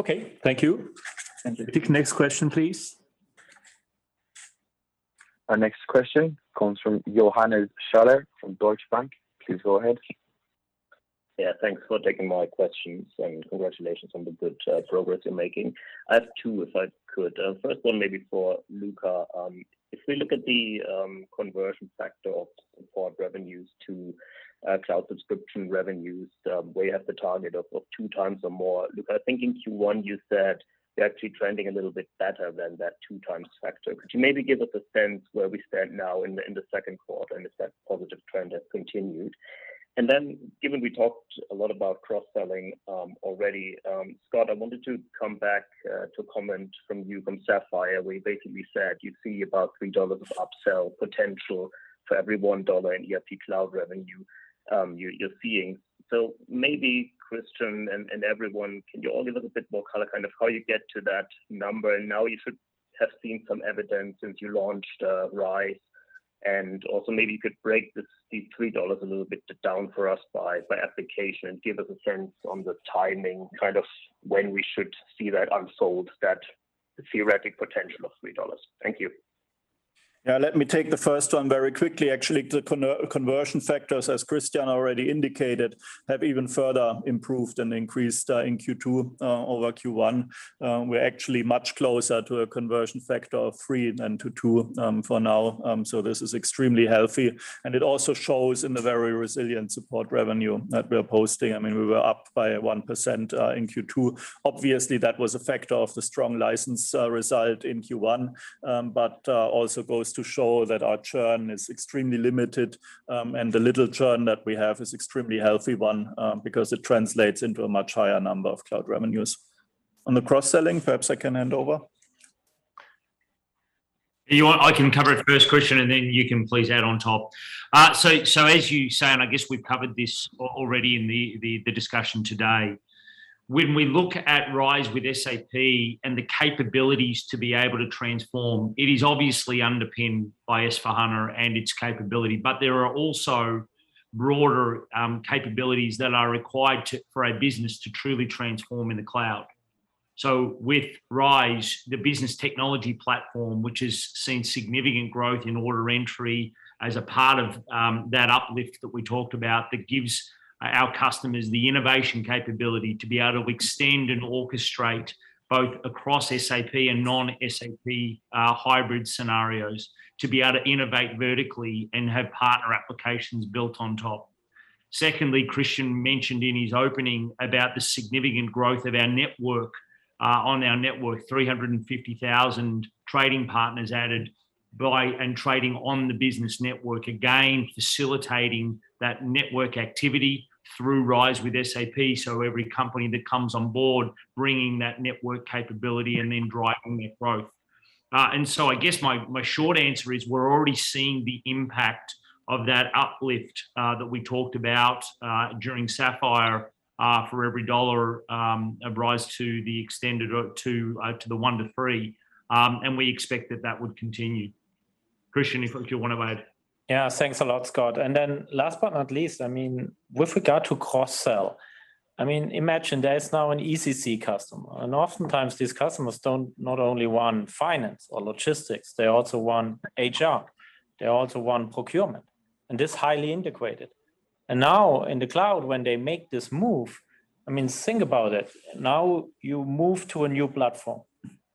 Okay. Thank you. Thank you. Next question, please. Our next question comes from Johannes Schaller from Deutsche Bank. Please go ahead. Yeah, thanks for taking my questions and congratulations on the good progress you're making. I have two, if I could. First one maybe for Luka. If we look at the conversion factor of support revenues to cloud subscription revenues, where you have the target of two times or more. Luka, I think in Q1 you said you're actually trending a little bit better than that 2x factor. Could you maybe give us a sense where we stand now in the second quarter, and if that positive trend has continued? Given we talked a lot about cross-selling already, Scott, I wanted to come back to a comment from you from Sapphire, where you basically said you see about EUR 3 of upsell potential for every $1 in ERP cloud revenue you're seeing. Maybe Christian and everyone, can you all give us a bit more color, how you get to that number? Now you should have seen some evidence since you launched RISE. Also maybe you could break the $3 a little bit down for us by application. Give us a sense on the timing, when we should see that unsold, that theoretic potential of 3. Thank you. Yeah, let me take the first very quickly. Actually, the conversion factors, as Christian already indicated, have even further improved and increased in Q2 over Q1. We're actually much closer to a conversion factor of three than to two for now. This is extremely healthy, and it also shows in the very resilient support revenue that we are posting. We were up by 1% in Q2. Obviously, that was effect of the strong license result in Q1. Also goes to show that our churn is extremely limited. The little churn that we have is extremely healthy one, because it translates into a much higher number of cloud revenues. On the cross-selling, perhaps I can hand over. If you want, I can cover it first, Christian, and then you can please add on top. As you say, and I guess we've covered this already in the discussion today. When we look at RISE with SAP and the capabilities to be able to transform, it is obviously underpinned by S/4HANA and its capability, but there are also broader capabilities that are required for a business to truly transform in the cloud. With RISE, the Business Technology Platform, which has seen significant growth in order entry as a part of that uplift that we talked about, that gives our customers the innovation capability to be able to extend and orchestrate both across SAP and non-SAP hybrid scenarios, to be able to innovate vertically and have partner applications built on top. Secondly, Christian mentioned in his opening about the significant growth of our network. On our network, 350,000 trading partners added by and trading on the SAP Business Network, again, facilitating that network activity through RISE with SAP. Every company that comes on board, bringing that network capability and then driving that growth. I guess my short answer is we're already seeing the impact of that uplift that we talked about during SAP Sapphire. For every dollar of RISE to the extended, to the one to three, we expect that that would continue. Christian, if you want to add. Yeah. Thanks a lot, Scott. Then last but not least, with regard to cross-sell, imagine there's now an ECC customer, and oftentimes these customers don't not only want finance or logistics, they also want HR, they also want procurement. This is highly integrated. Now in the cloud, when they make this move, think about it. Now you move to a new platform.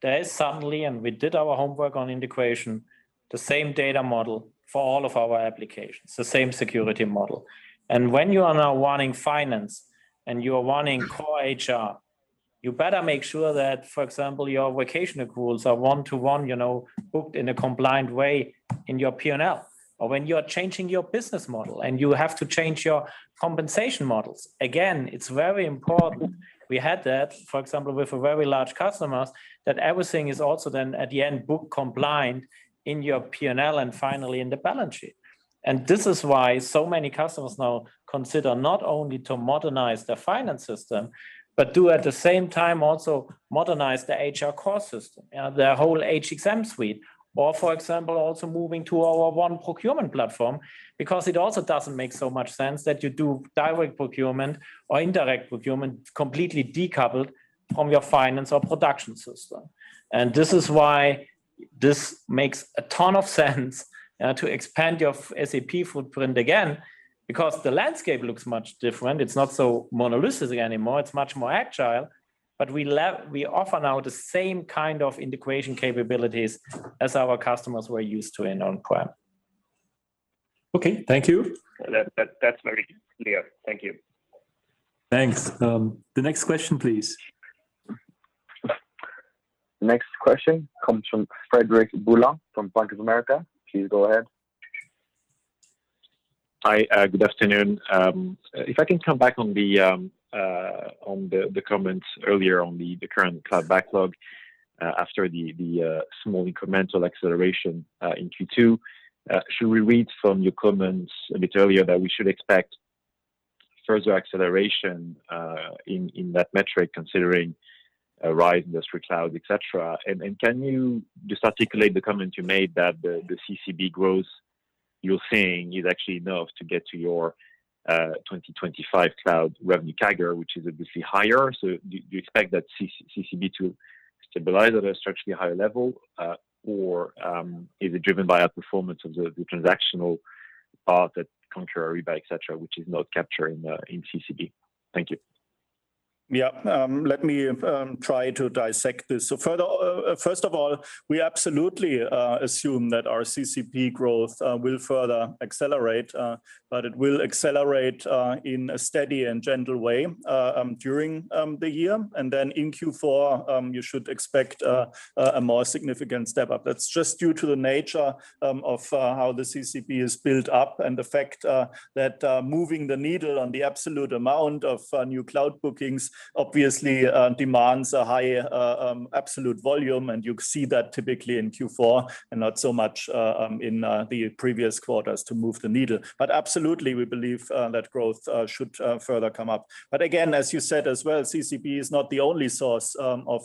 There is suddenly, and we did our homework on integration, the same data model for all of our applications, the same security model. When you are now wanting finance and you are wanting core HR, you better make sure that, for example, your vacation rules are one-to-one, booked in a compliant way in your P&L. When you are changing your business model and you have to change your compensation models, again, it is very important we had that, for example, with very large customers, that everything is also then at the end book compliant in your P&L and finally in the balance sheet. This is why so many customers now consider not only to modernize their finance system, but to, at the same time, also modernize their HR core system their whole HXM suite. For example, also moving to our one procurement platform, because it also does not make so much sense that you do direct procurement or indirect procurement completely decoupled from your finance or production system. This is why this makes a ton of sense to expand your SAP footprint again, because the landscape looks much different. It is not so monolithic anymore. It is much more agile. We offer now the same kind of integration capabilities as our customers were used to in on-prem. Okay. Thank you. That's very clear. Thank you. Thanks. The next question, please. Next question comes from Frederic Boulan from Bank of America. Please go ahead. Hi. Good afternoon. If I can come back on the comments earlier on the Current Cloud Backlog after the small incremental acceleration in Q2. Should we read from your comments a bit earlier that we should expect further acceleration in that metric, considering a RISE Industry Cloud, et cetera? Can you just articulate the comment you made that the CCB growth you're seeing is actually enough to get to your 2025 cloud revenue CAGR, which is obviously higher? Do you expect that CCB to stabilize at a substantially higher level? Is it driven by outperformance of the transactional part that Concur, Ariba, et cetera, which is not captured in CCB? Thank you. Let me try to dissect this. First of all, we absolutely assume that our CCB growth will further accelerate, but it will accelerate in a steady and gentle way during the year. In Q4, you should expect a more significant step-up. That's just due to the nature of how the CCB is built up and the fact that moving the needle on the absolute amount of new cloud bookings obviously demands a higher absolute volume. You see that typically in Q4 and not so much in the previous quarters to move the needle. Absolutely, we believe that growth should further come up. Again, as you said as well, CCB is not the only source of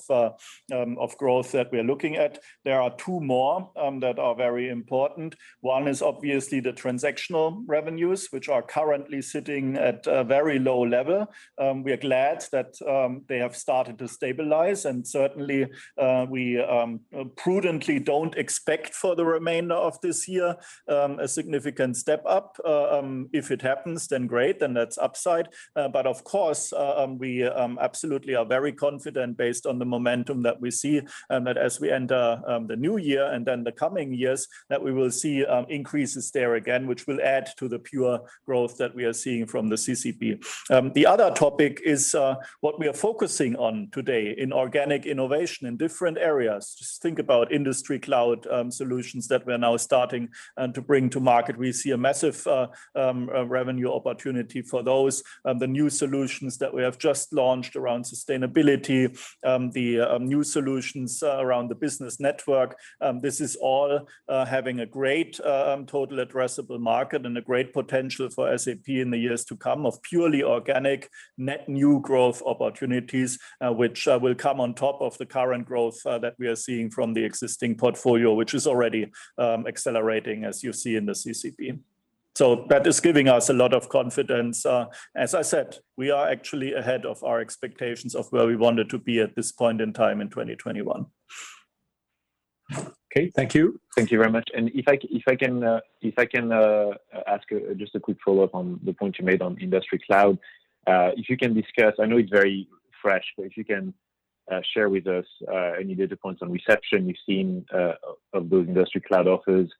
growth that we're looking at. There are two more that are very important. One is obviously the transactional revenues, which are currently sitting at a very low level. We are glad that they have started to stabilize and certainly, we prudently don't expect for the remainder of this year, a significant step-up. If it happens, then great, then that's upside. Of course, we absolutely are very confident based on the momentum that we see, that as we end the new year and then the coming years, that we will see increases there again, which will add to the pure growth that we are seeing from the CCB. The other topic is what we are focusing on today in organic innovation in different areas. Just think about Industry Cloud solutions that we're now starting to bring to market. We see a massive revenue opportunity for those. The new solutions that we have just launched around sustainability, the new solutions around the SAP Business Network. This is all having a great total addressable market and a great potential for SAP in the years to come of purely organic net new growth opportunities, which will come on top of the current growth that we are seeing from the existing portfolio, which is already accelerating, as you see in the CCB. That is giving us a lot of confidence. As I said, we are actually ahead of our expectations of where we wanted to be at this point in time in 2021. Okay. Thank you. Thank you very much. If I can ask just a quick follow-up on the point you made on Industry Cloud. If you can discuss, I know it's very fresh, but if you can share with us any data points on reception you've seen of those Industry Cloud offers.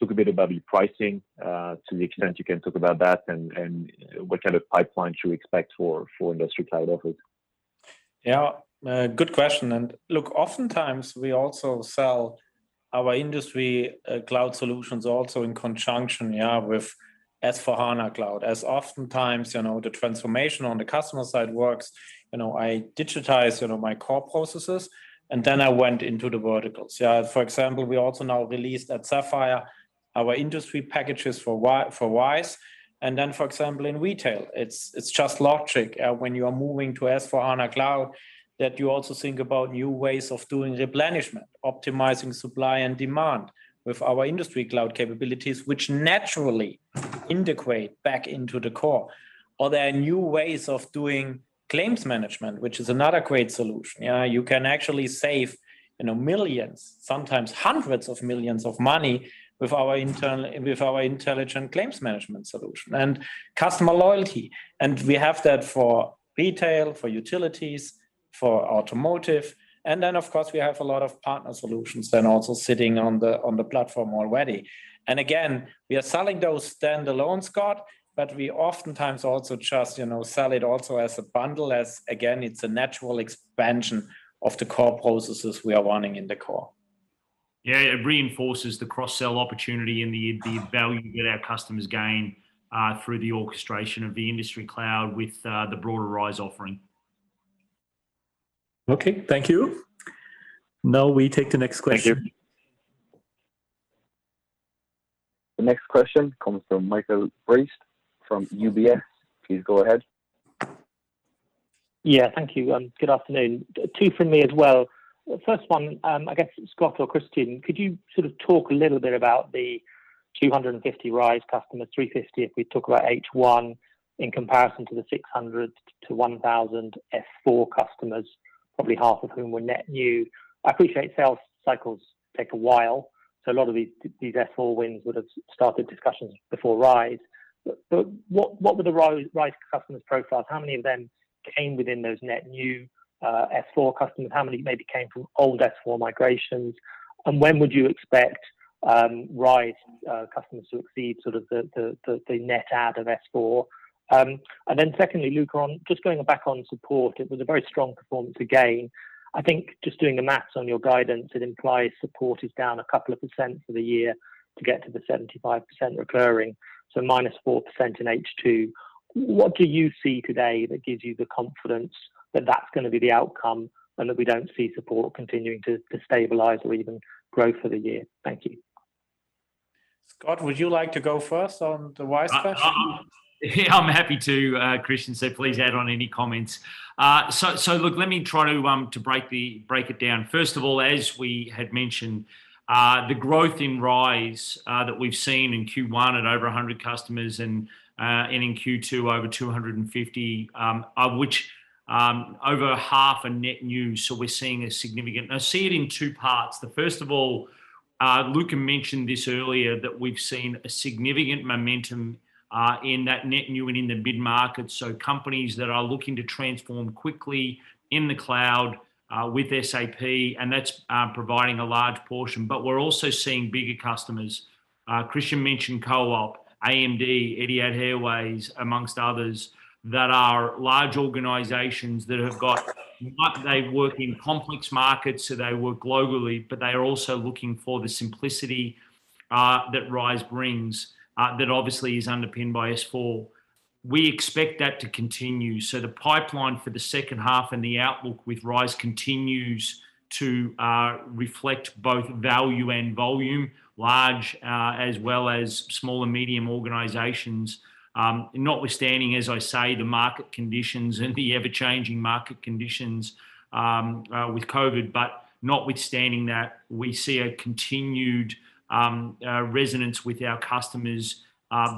Talk a bit about your pricing, to the extent you can talk about that, and what kind of pipeline should we expect for Industry Cloud offers? Yeah. Good question. Look, oftentimes we also sell our Industry Cloud solutions also in conjunction with S/4HANA Cloud. Oftentimes, the transformation on the customer side works, I digitize my core processes, then I went into the verticals. For example, we also now released at SAP Sapphire our industry packages for RISE. For example, in retail, it's just logic when you are moving to S/4HANA Cloud, that you also think about new ways of doing replenishment, optimizing supply and demand with our Industry Cloud capabilities, which naturally integrate back into the core. There are new ways of doing claims management, which is another great solution. You can actually save millions, sometimes hundreds of millions of EUR with our intelligent claims management solution. Customer loyalty. We have that for retail, for utilities, for automotive, and then of course, we have a lot of partner solutions then also sitting on the platform already. Again, we are selling those standalone, Scott, but we oftentimes also just sell it also as a bundle as, again, it's a natural expansion of the core processes we are running in the core. Yeah. It reinforces the cross-sell opportunity and the value that our customers gain through the orchestration of the Industry Cloud with the broader RISE offering. Okay. Thank you. Now we take the next question. Thank you. The next question comes from Michael Briest from UBS. Please go ahead. Yeah. Thank you. Good afternoon. Two from me as well. First one, I guess Scott or Christian, could you sort of talk a little bit about the 250 RISE customers, 350 if we talk about H1, in comparison to the 600-1,000 S/4 customers, probably half of whom were net new. I appreciate sales cycles take a while, a lot of these S/4 wins would've started discussions before RISE. What were the RISE customers' profiles? How many of them came within those net new S/4 customers? How many maybe came from old S/4 migrations? When would you expect RISE customers to exceed sort of the net add of S/4? Secondly, Luka Mucic, just going back on support, it was a very strong performance again. I think just doing the math on your guidance, it implies support is down a couple of percent for the year to get to the 75% recurring, so -4% in H2. What do you see today that gives you the confidence that that's going to be the outcome and that we don't see support continuing to stabilize or even grow for the year? Thank you. Scott, would you like to go first on the RISE question? Yeah, I'm happy to. Christian, please add on any comments. Look, let me try to break it down. First of all, as we had mentioned, the growth in RISE that we've seen in Q1 at over 100 customers and in Q2 over 250, of which over half are net new. We're seeing a significant. Now see it in two parts. The first of all, Luka mentioned this earlier, that we've seen a significant momentum in that net new and in the mid-market. Companies that are looking to transform quickly in the cloud, with SAP, and that's providing a large portion. We're also seeing bigger customers. Christian mentioned Coop, AMD, Etihad Airways, amongst others, that are large organizations that work in complex markets, so they work globally, but they are also looking for the simplicity that RISE brings, that obviously is underpinned by S/4. We expect that to continue. The pipeline for the second half and the outlook with RISE continues to reflect both value and volume, large as well as small and medium organizations. Notwithstanding, as I say, the market conditions and the ever-changing market conditions with COVID, notwithstanding that, we see a continued resonance with our customers,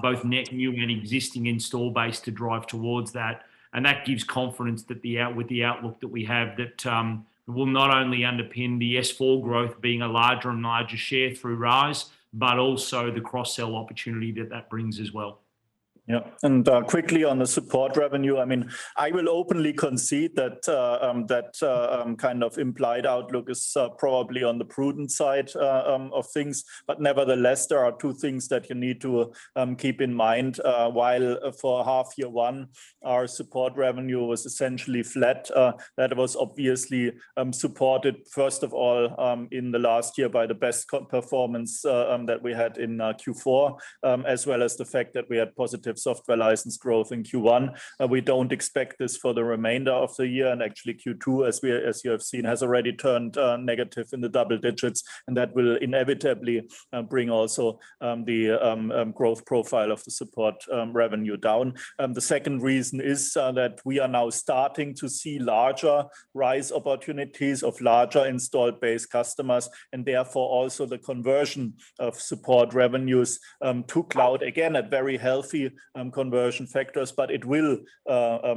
both net new and existing install base to drive towards that. That gives confidence that with the outlook that we have, that it will not only underpin the S/4 growth being a larger and larger share through RISE, but also the cross-sell opportunity that that brings as well. Yeah. Quickly on the support revenue, I will openly concede that kind of implied outlook is probably on the prudent side of things. Nevertheless, there are two things that you need to keep in mind. While for half year one, our support revenue was essentially flat. That was obviously supported, first of all In the last year by the best performance that we had in Q4, as well as the fact that we had positive software license growth in Q1. We don't expect this for the remainder of the year. Actually Q2, as you have seen, has already turned negative in the double digits, and that will inevitably bring also the growth profile of the support revenue down. The second reason is that we are now starting to see larger RISE opportunities of larger installed base customers, and therefore also the conversion of support revenues to cloud. Again, at very healthy conversion factors, but it will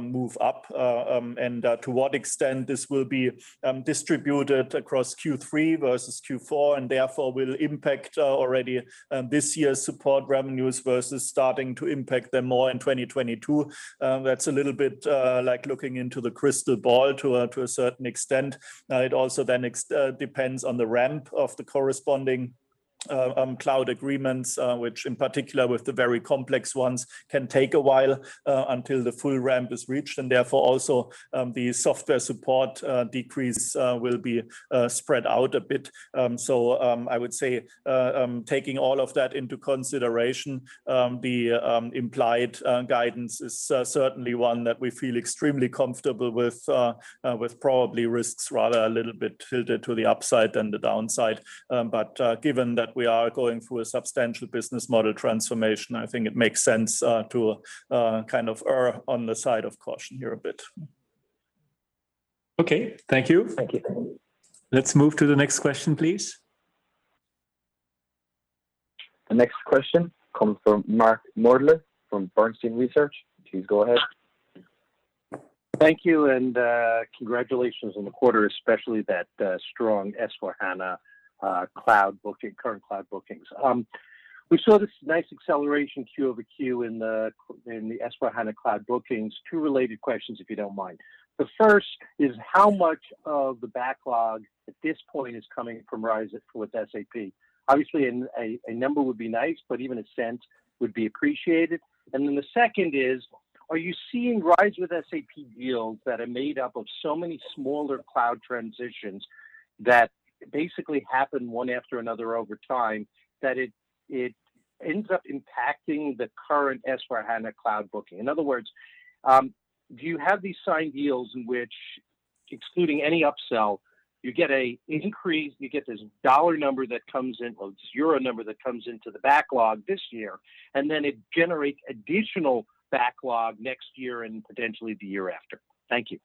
move up. To what extent this will be distributed across Q3 versus Q4, and therefore will impact already this year's support revenues versus starting to impact them more in 2022. That's a little bit like looking into the crystal ball to a certain extent. It also depends on the ramp of the corresponding cloud agreements, which in particular with the very complex ones, can take a while until the full ramp is reached, and therefore also the software support decrease will be spread out a bit. I would say, taking all of that into consideration, the implied guidance is certainly one that we feel extremely comfortable with, probably risks rather a little bit filtered to the upside than the downside. Given that we are going through a substantial business model transformation, I think it makes sense to err on the side of caution here a bit. Okay. Thank you. Thank you. Let's move to the next question, please. The next question comes from Mark Moerdler from Bernstein Research. Please go ahead. Thank you. Congratulations on the quarter, especially that strong S/4HANA Cloud current cloud bookings. We saw this nice acceleration Q-over-Q in the S/4HANA Cloud bookings. Two related questions, if you don't mind. The first is how much of the backlog at this point is coming from RISE with SAP? Obviously, a number would be nice, but even a sense would be appreciated. The second is, are you seeing RISE with SAP deals that are made up of so many smaller cloud transitions that basically happen one after another over time, that it ends up impacting the current S/4HANA Cloud booking? In other words, do you have these signed deals in which, excluding any upsell, you get an increase, you get this dollar number that comes in, or this euro number that comes into the backlog this year, and then it generates additional backlog next year and potentially the year after? Thank you.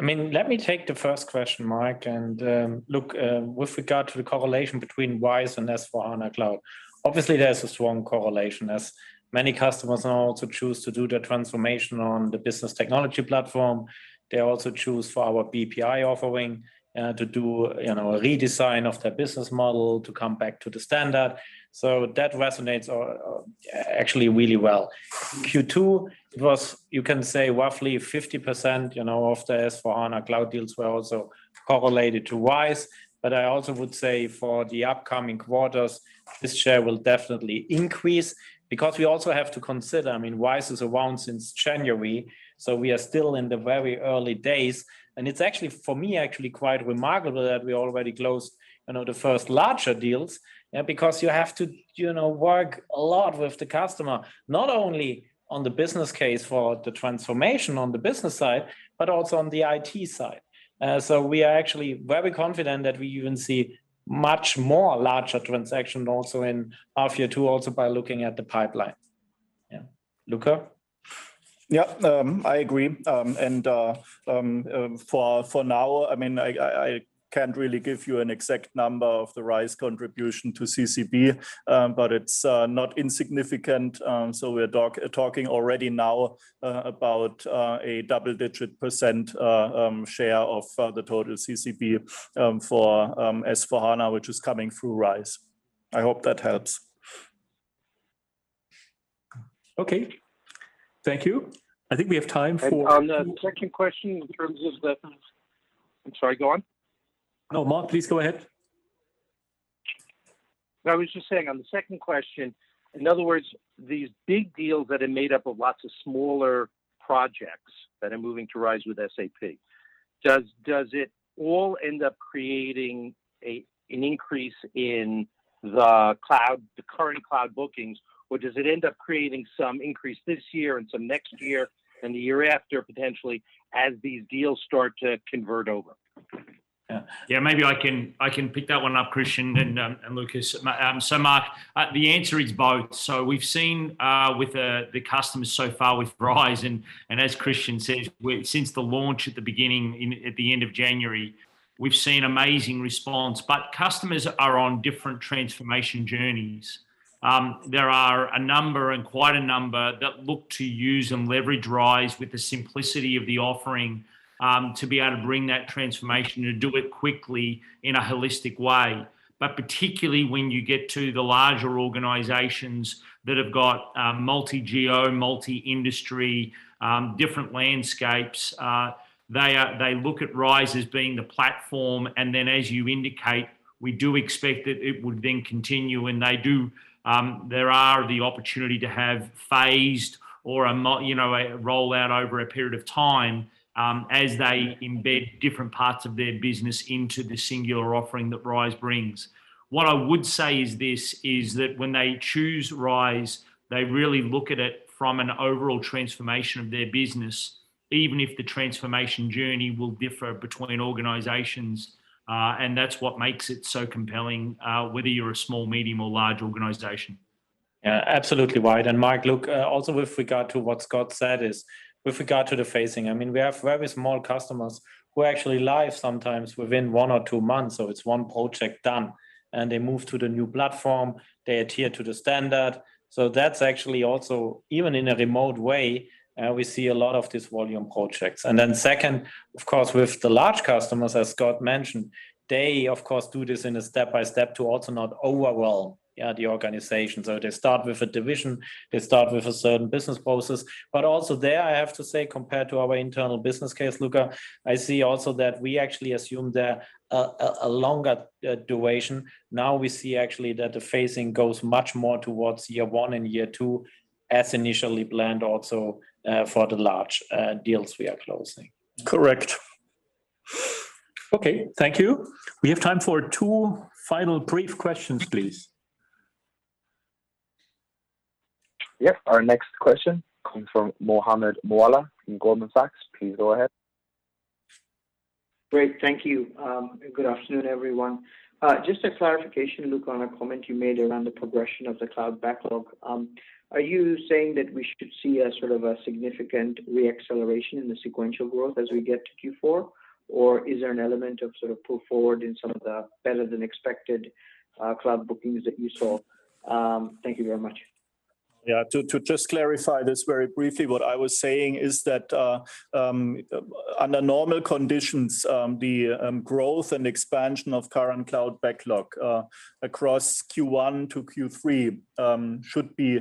Let me take the first question, Mark. Look, with regard to the correlation between RISE and S/4HANA Cloud, obviously there's a strong correlation. As many customers now also choose to do their transformation on the Business Technology Platform. They also choose for our BPI offering to do a redesign of their business model to come back to the standard. That resonates actually really well. Q2, it was, you can say roughly 50% of the S/4HANA Cloud deals were also correlated to RISE. I also would say for the upcoming quarters, this share will definitely increase because we also have to consider, RISE is around since January, we are still in the very early days. It's actually for me, actually quite remarkable that we already closed the first larger deals, because you have to work a lot with the customer, not only on the business case for the transformation on the business side, but also on the IT side. We are actually very confident that we even see much more larger transaction also in half year two, also by looking at the pipeline. Yeah. Luka? Yeah. I agree. For now, I can't really give you an exact number of the RISE contribution to CCB, but it's not insignificant. We're talking already now about a double-digit percent share of the total CCB for S/4HANA, which is coming through RISE. I hope that helps. Okay. Thank you. I think we have time for. On the second question, in terms of the, I'm sorry, go on. No, Mark, please go ahead. I was just saying on the second question, in other words, these big deals that are made up of lots of smaller projects that are moving to RISE with SAP. Does it all end up creating an increase in the current cloud bookings, or does it end up creating some increase this year and some next year and the year after, potentially, as these deals start to convert over? Yeah, maybe I can pick that one up, Christian and Luka. Mark, the answer is both. We've seen with the customers so far with RISE, and as Christian says, since the launch at the end of January, we've seen amazing response. Customers are on different transformation journeys. There are a number, and quite a number that look to use and leverage RISE with the simplicity of the offering to be able to bring that transformation and do it quickly in a holistic way. Particularly when you get to the larger organizations that have got multi-geo, multi-industry, different landscapes, they look at RISE as being the platform, and then as you indicate, we do expect that it would then continue. There are the opportunity to have phased or a rollout over a period of time, as they embed different parts of their business into the singular offering that RISE brings. What I would say is this, is that when they choose RISE, they really look at it from an overall transformation of their business, even if the transformation journey will differ between organizations. That's what makes it so compelling, whether you're a small, medium, or large organization. Yeah, absolutely, right. Mark, look, also with regard to what Scott said is, with regard to the phasing, we have very small customers who are actually live sometimes within one or two months. It's one project done, and they move to the new platform. They adhere to the standard. That's actually also, even in a remote way, we see a lot of these volume projects. Second, of course, with the large customers, as Scott mentioned, they of course do this in a step-by-step to also not overwhelm the organization. They start with a division, they start with a certain business process. Also there, I have to say, compared to our internal business case, Luka, I see also that we actually assume there a longer duration. We see actually that the phasing goes much more towards year one and year two, as initially planned also for the large deals we are closing. Correct. Okay. Thank you. We have time for two final brief questions, please. Yep. Our next question comes from Mohammed Moawalla in Goldman Sachs. Please go ahead. Great. Thank you. Good afternoon, everyone. Just a clarification, Luka, on a comment you made around the progression of the cloud backlog. Are you saying that we should see a sort of a significant re-acceleration in the sequential growth as we get to Q4? Is there an element of sort of pull forward in some of the better than expected cloud bookings that you saw? Thank you very much. To just clarify this very briefly, what I was saying is that under normal conditions, the growth and expansion of Current Cloud Backlog across Q1 to Q3 should be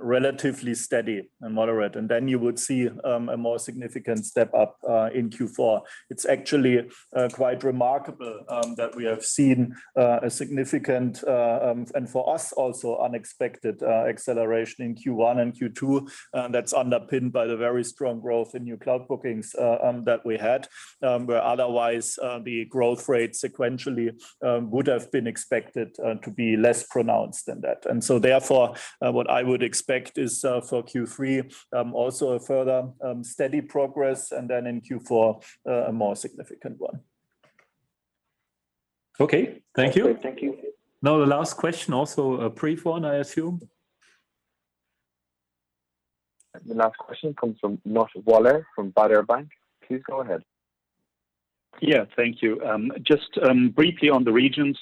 relatively steady and moderate, and then you would see a more significant step up in Q4. It's actually quite remarkable that we have seen a significant, and for us, also unexpected acceleration in Q1 and Q2, that's underpinned by the very strong growth in new cloud bookings that we had. Where otherwise, the growth rate sequentially would have been expected to be less pronounced than that. Therefore, what I would expect is for Q3, also a further steady progress, and then in Q4, a more significant one. Okay. Thank you. The last question, also a brief one, I assume. The last question comes from Josh Waller from Baader Bank. Please go ahead. Yeah. Thank you. Just briefly on the regions.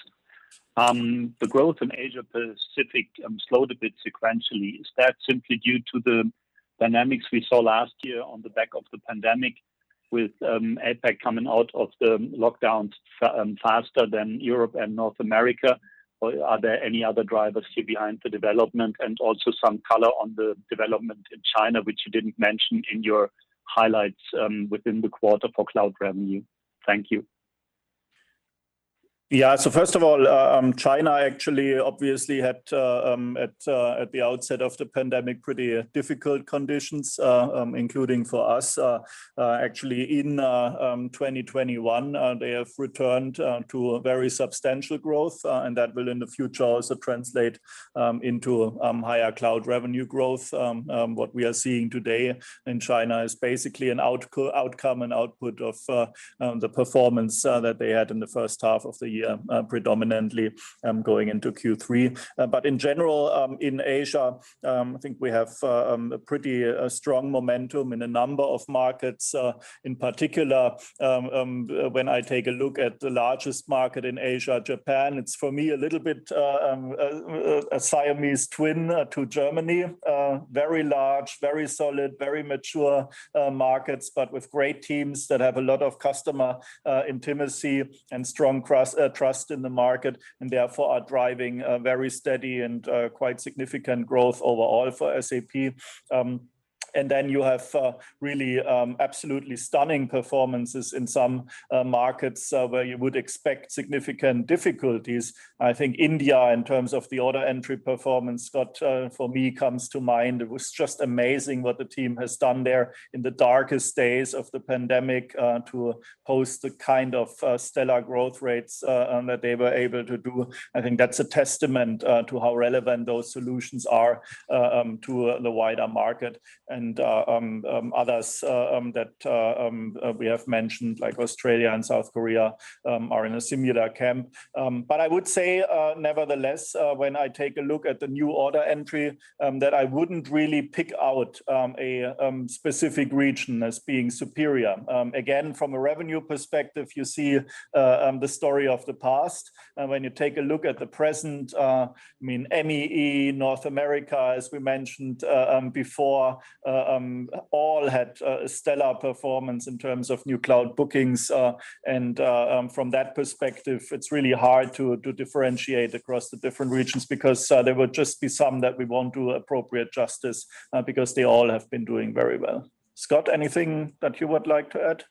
The growth in Asia Pacific slowed a bit sequentially. Is that simply due to the dynamics we saw last year on the back of the pandemic with APAC coming out of the lockdowns faster than Europe and North America, or are there any other drivers behind the development? Also some color on the development in China, which you didn't mention in your highlights within the quarter for cloud revenue. Thank you. First of all, China actually obviously had at the outset of the pandemic, pretty difficult conditions, including for us. In 2021, they have returned to a very substantial growth, and that will in the future also translate into higher cloud revenue growth. What we are seeing today in China is basically an outcome and output of the performance that they had in the first half of the year, predominantly going into Q3. In general, in Asia, I think we have a pretty strong momentum in a number of markets. In particular, when I take a look at the largest market in Asia, Japan, it's for me a little bit a Siamese twin to Germany. Very large, very solid, very mature markets, but with great teams that have a lot of customer intimacy and strong trust in the market, and therefore are driving very steady and quite significant growth overall for SAP. You have really absolutely stunning performances in some markets where you would expect significant difficulties. I think India, in terms of the order entry performance, Scott, for me, comes to mind. It was just amazing what the team has done there in the darkest days of the pandemic, to host the kind of stellar growth rates that they were able to do. I think that's a testament to how relevant those solutions are to the wider market. Others that we have mentioned, like Australia and South Korea, are in a similar camp. I would say, nevertheless, when I take a look at the new order entry, that I wouldn't really pick out a specific region as being superior. Again, from a revenue perspective, you see the story of the past. When you take a look at the present, I mean, EMEA, North America, as we mentioned before, all had stellar performance in terms of new cloud bookings. From that perspective, it's really hard to differentiate across the different regions because there would just be some that we won't do appropriate justice because they all have been doing very well. Scott, anything that you would like to add?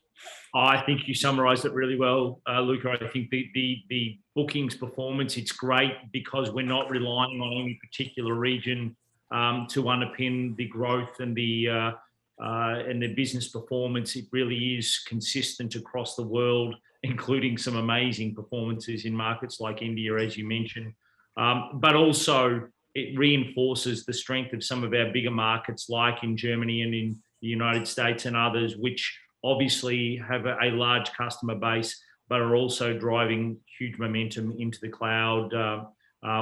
I think you summarized it really well, Luka. I think the bookings performance, it's great because we're not relying on any particular region to underpin the growth and the business performance. It really is consistent across the world, including some amazing performances in markets like India, as you mentioned. Also it reinforces the strength of some of our bigger markets, like in Germany and in the U.S. and others, which obviously have a large customer base but are also driving huge momentum into the cloud,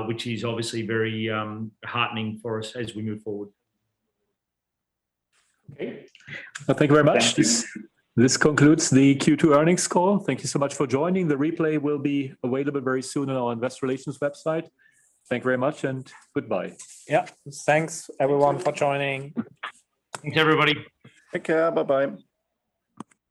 which is obviously very heartening for us as we move forward. Okay. Thank you very much. Thank you. This concludes the Q2 earnings call. Thank you so much for joining. The replay will be available very soon on our investor relations website. Thank you very much, and goodbye. Yep. Thanks everyone for joining. Thanks everybody. Take care. Bye-bye.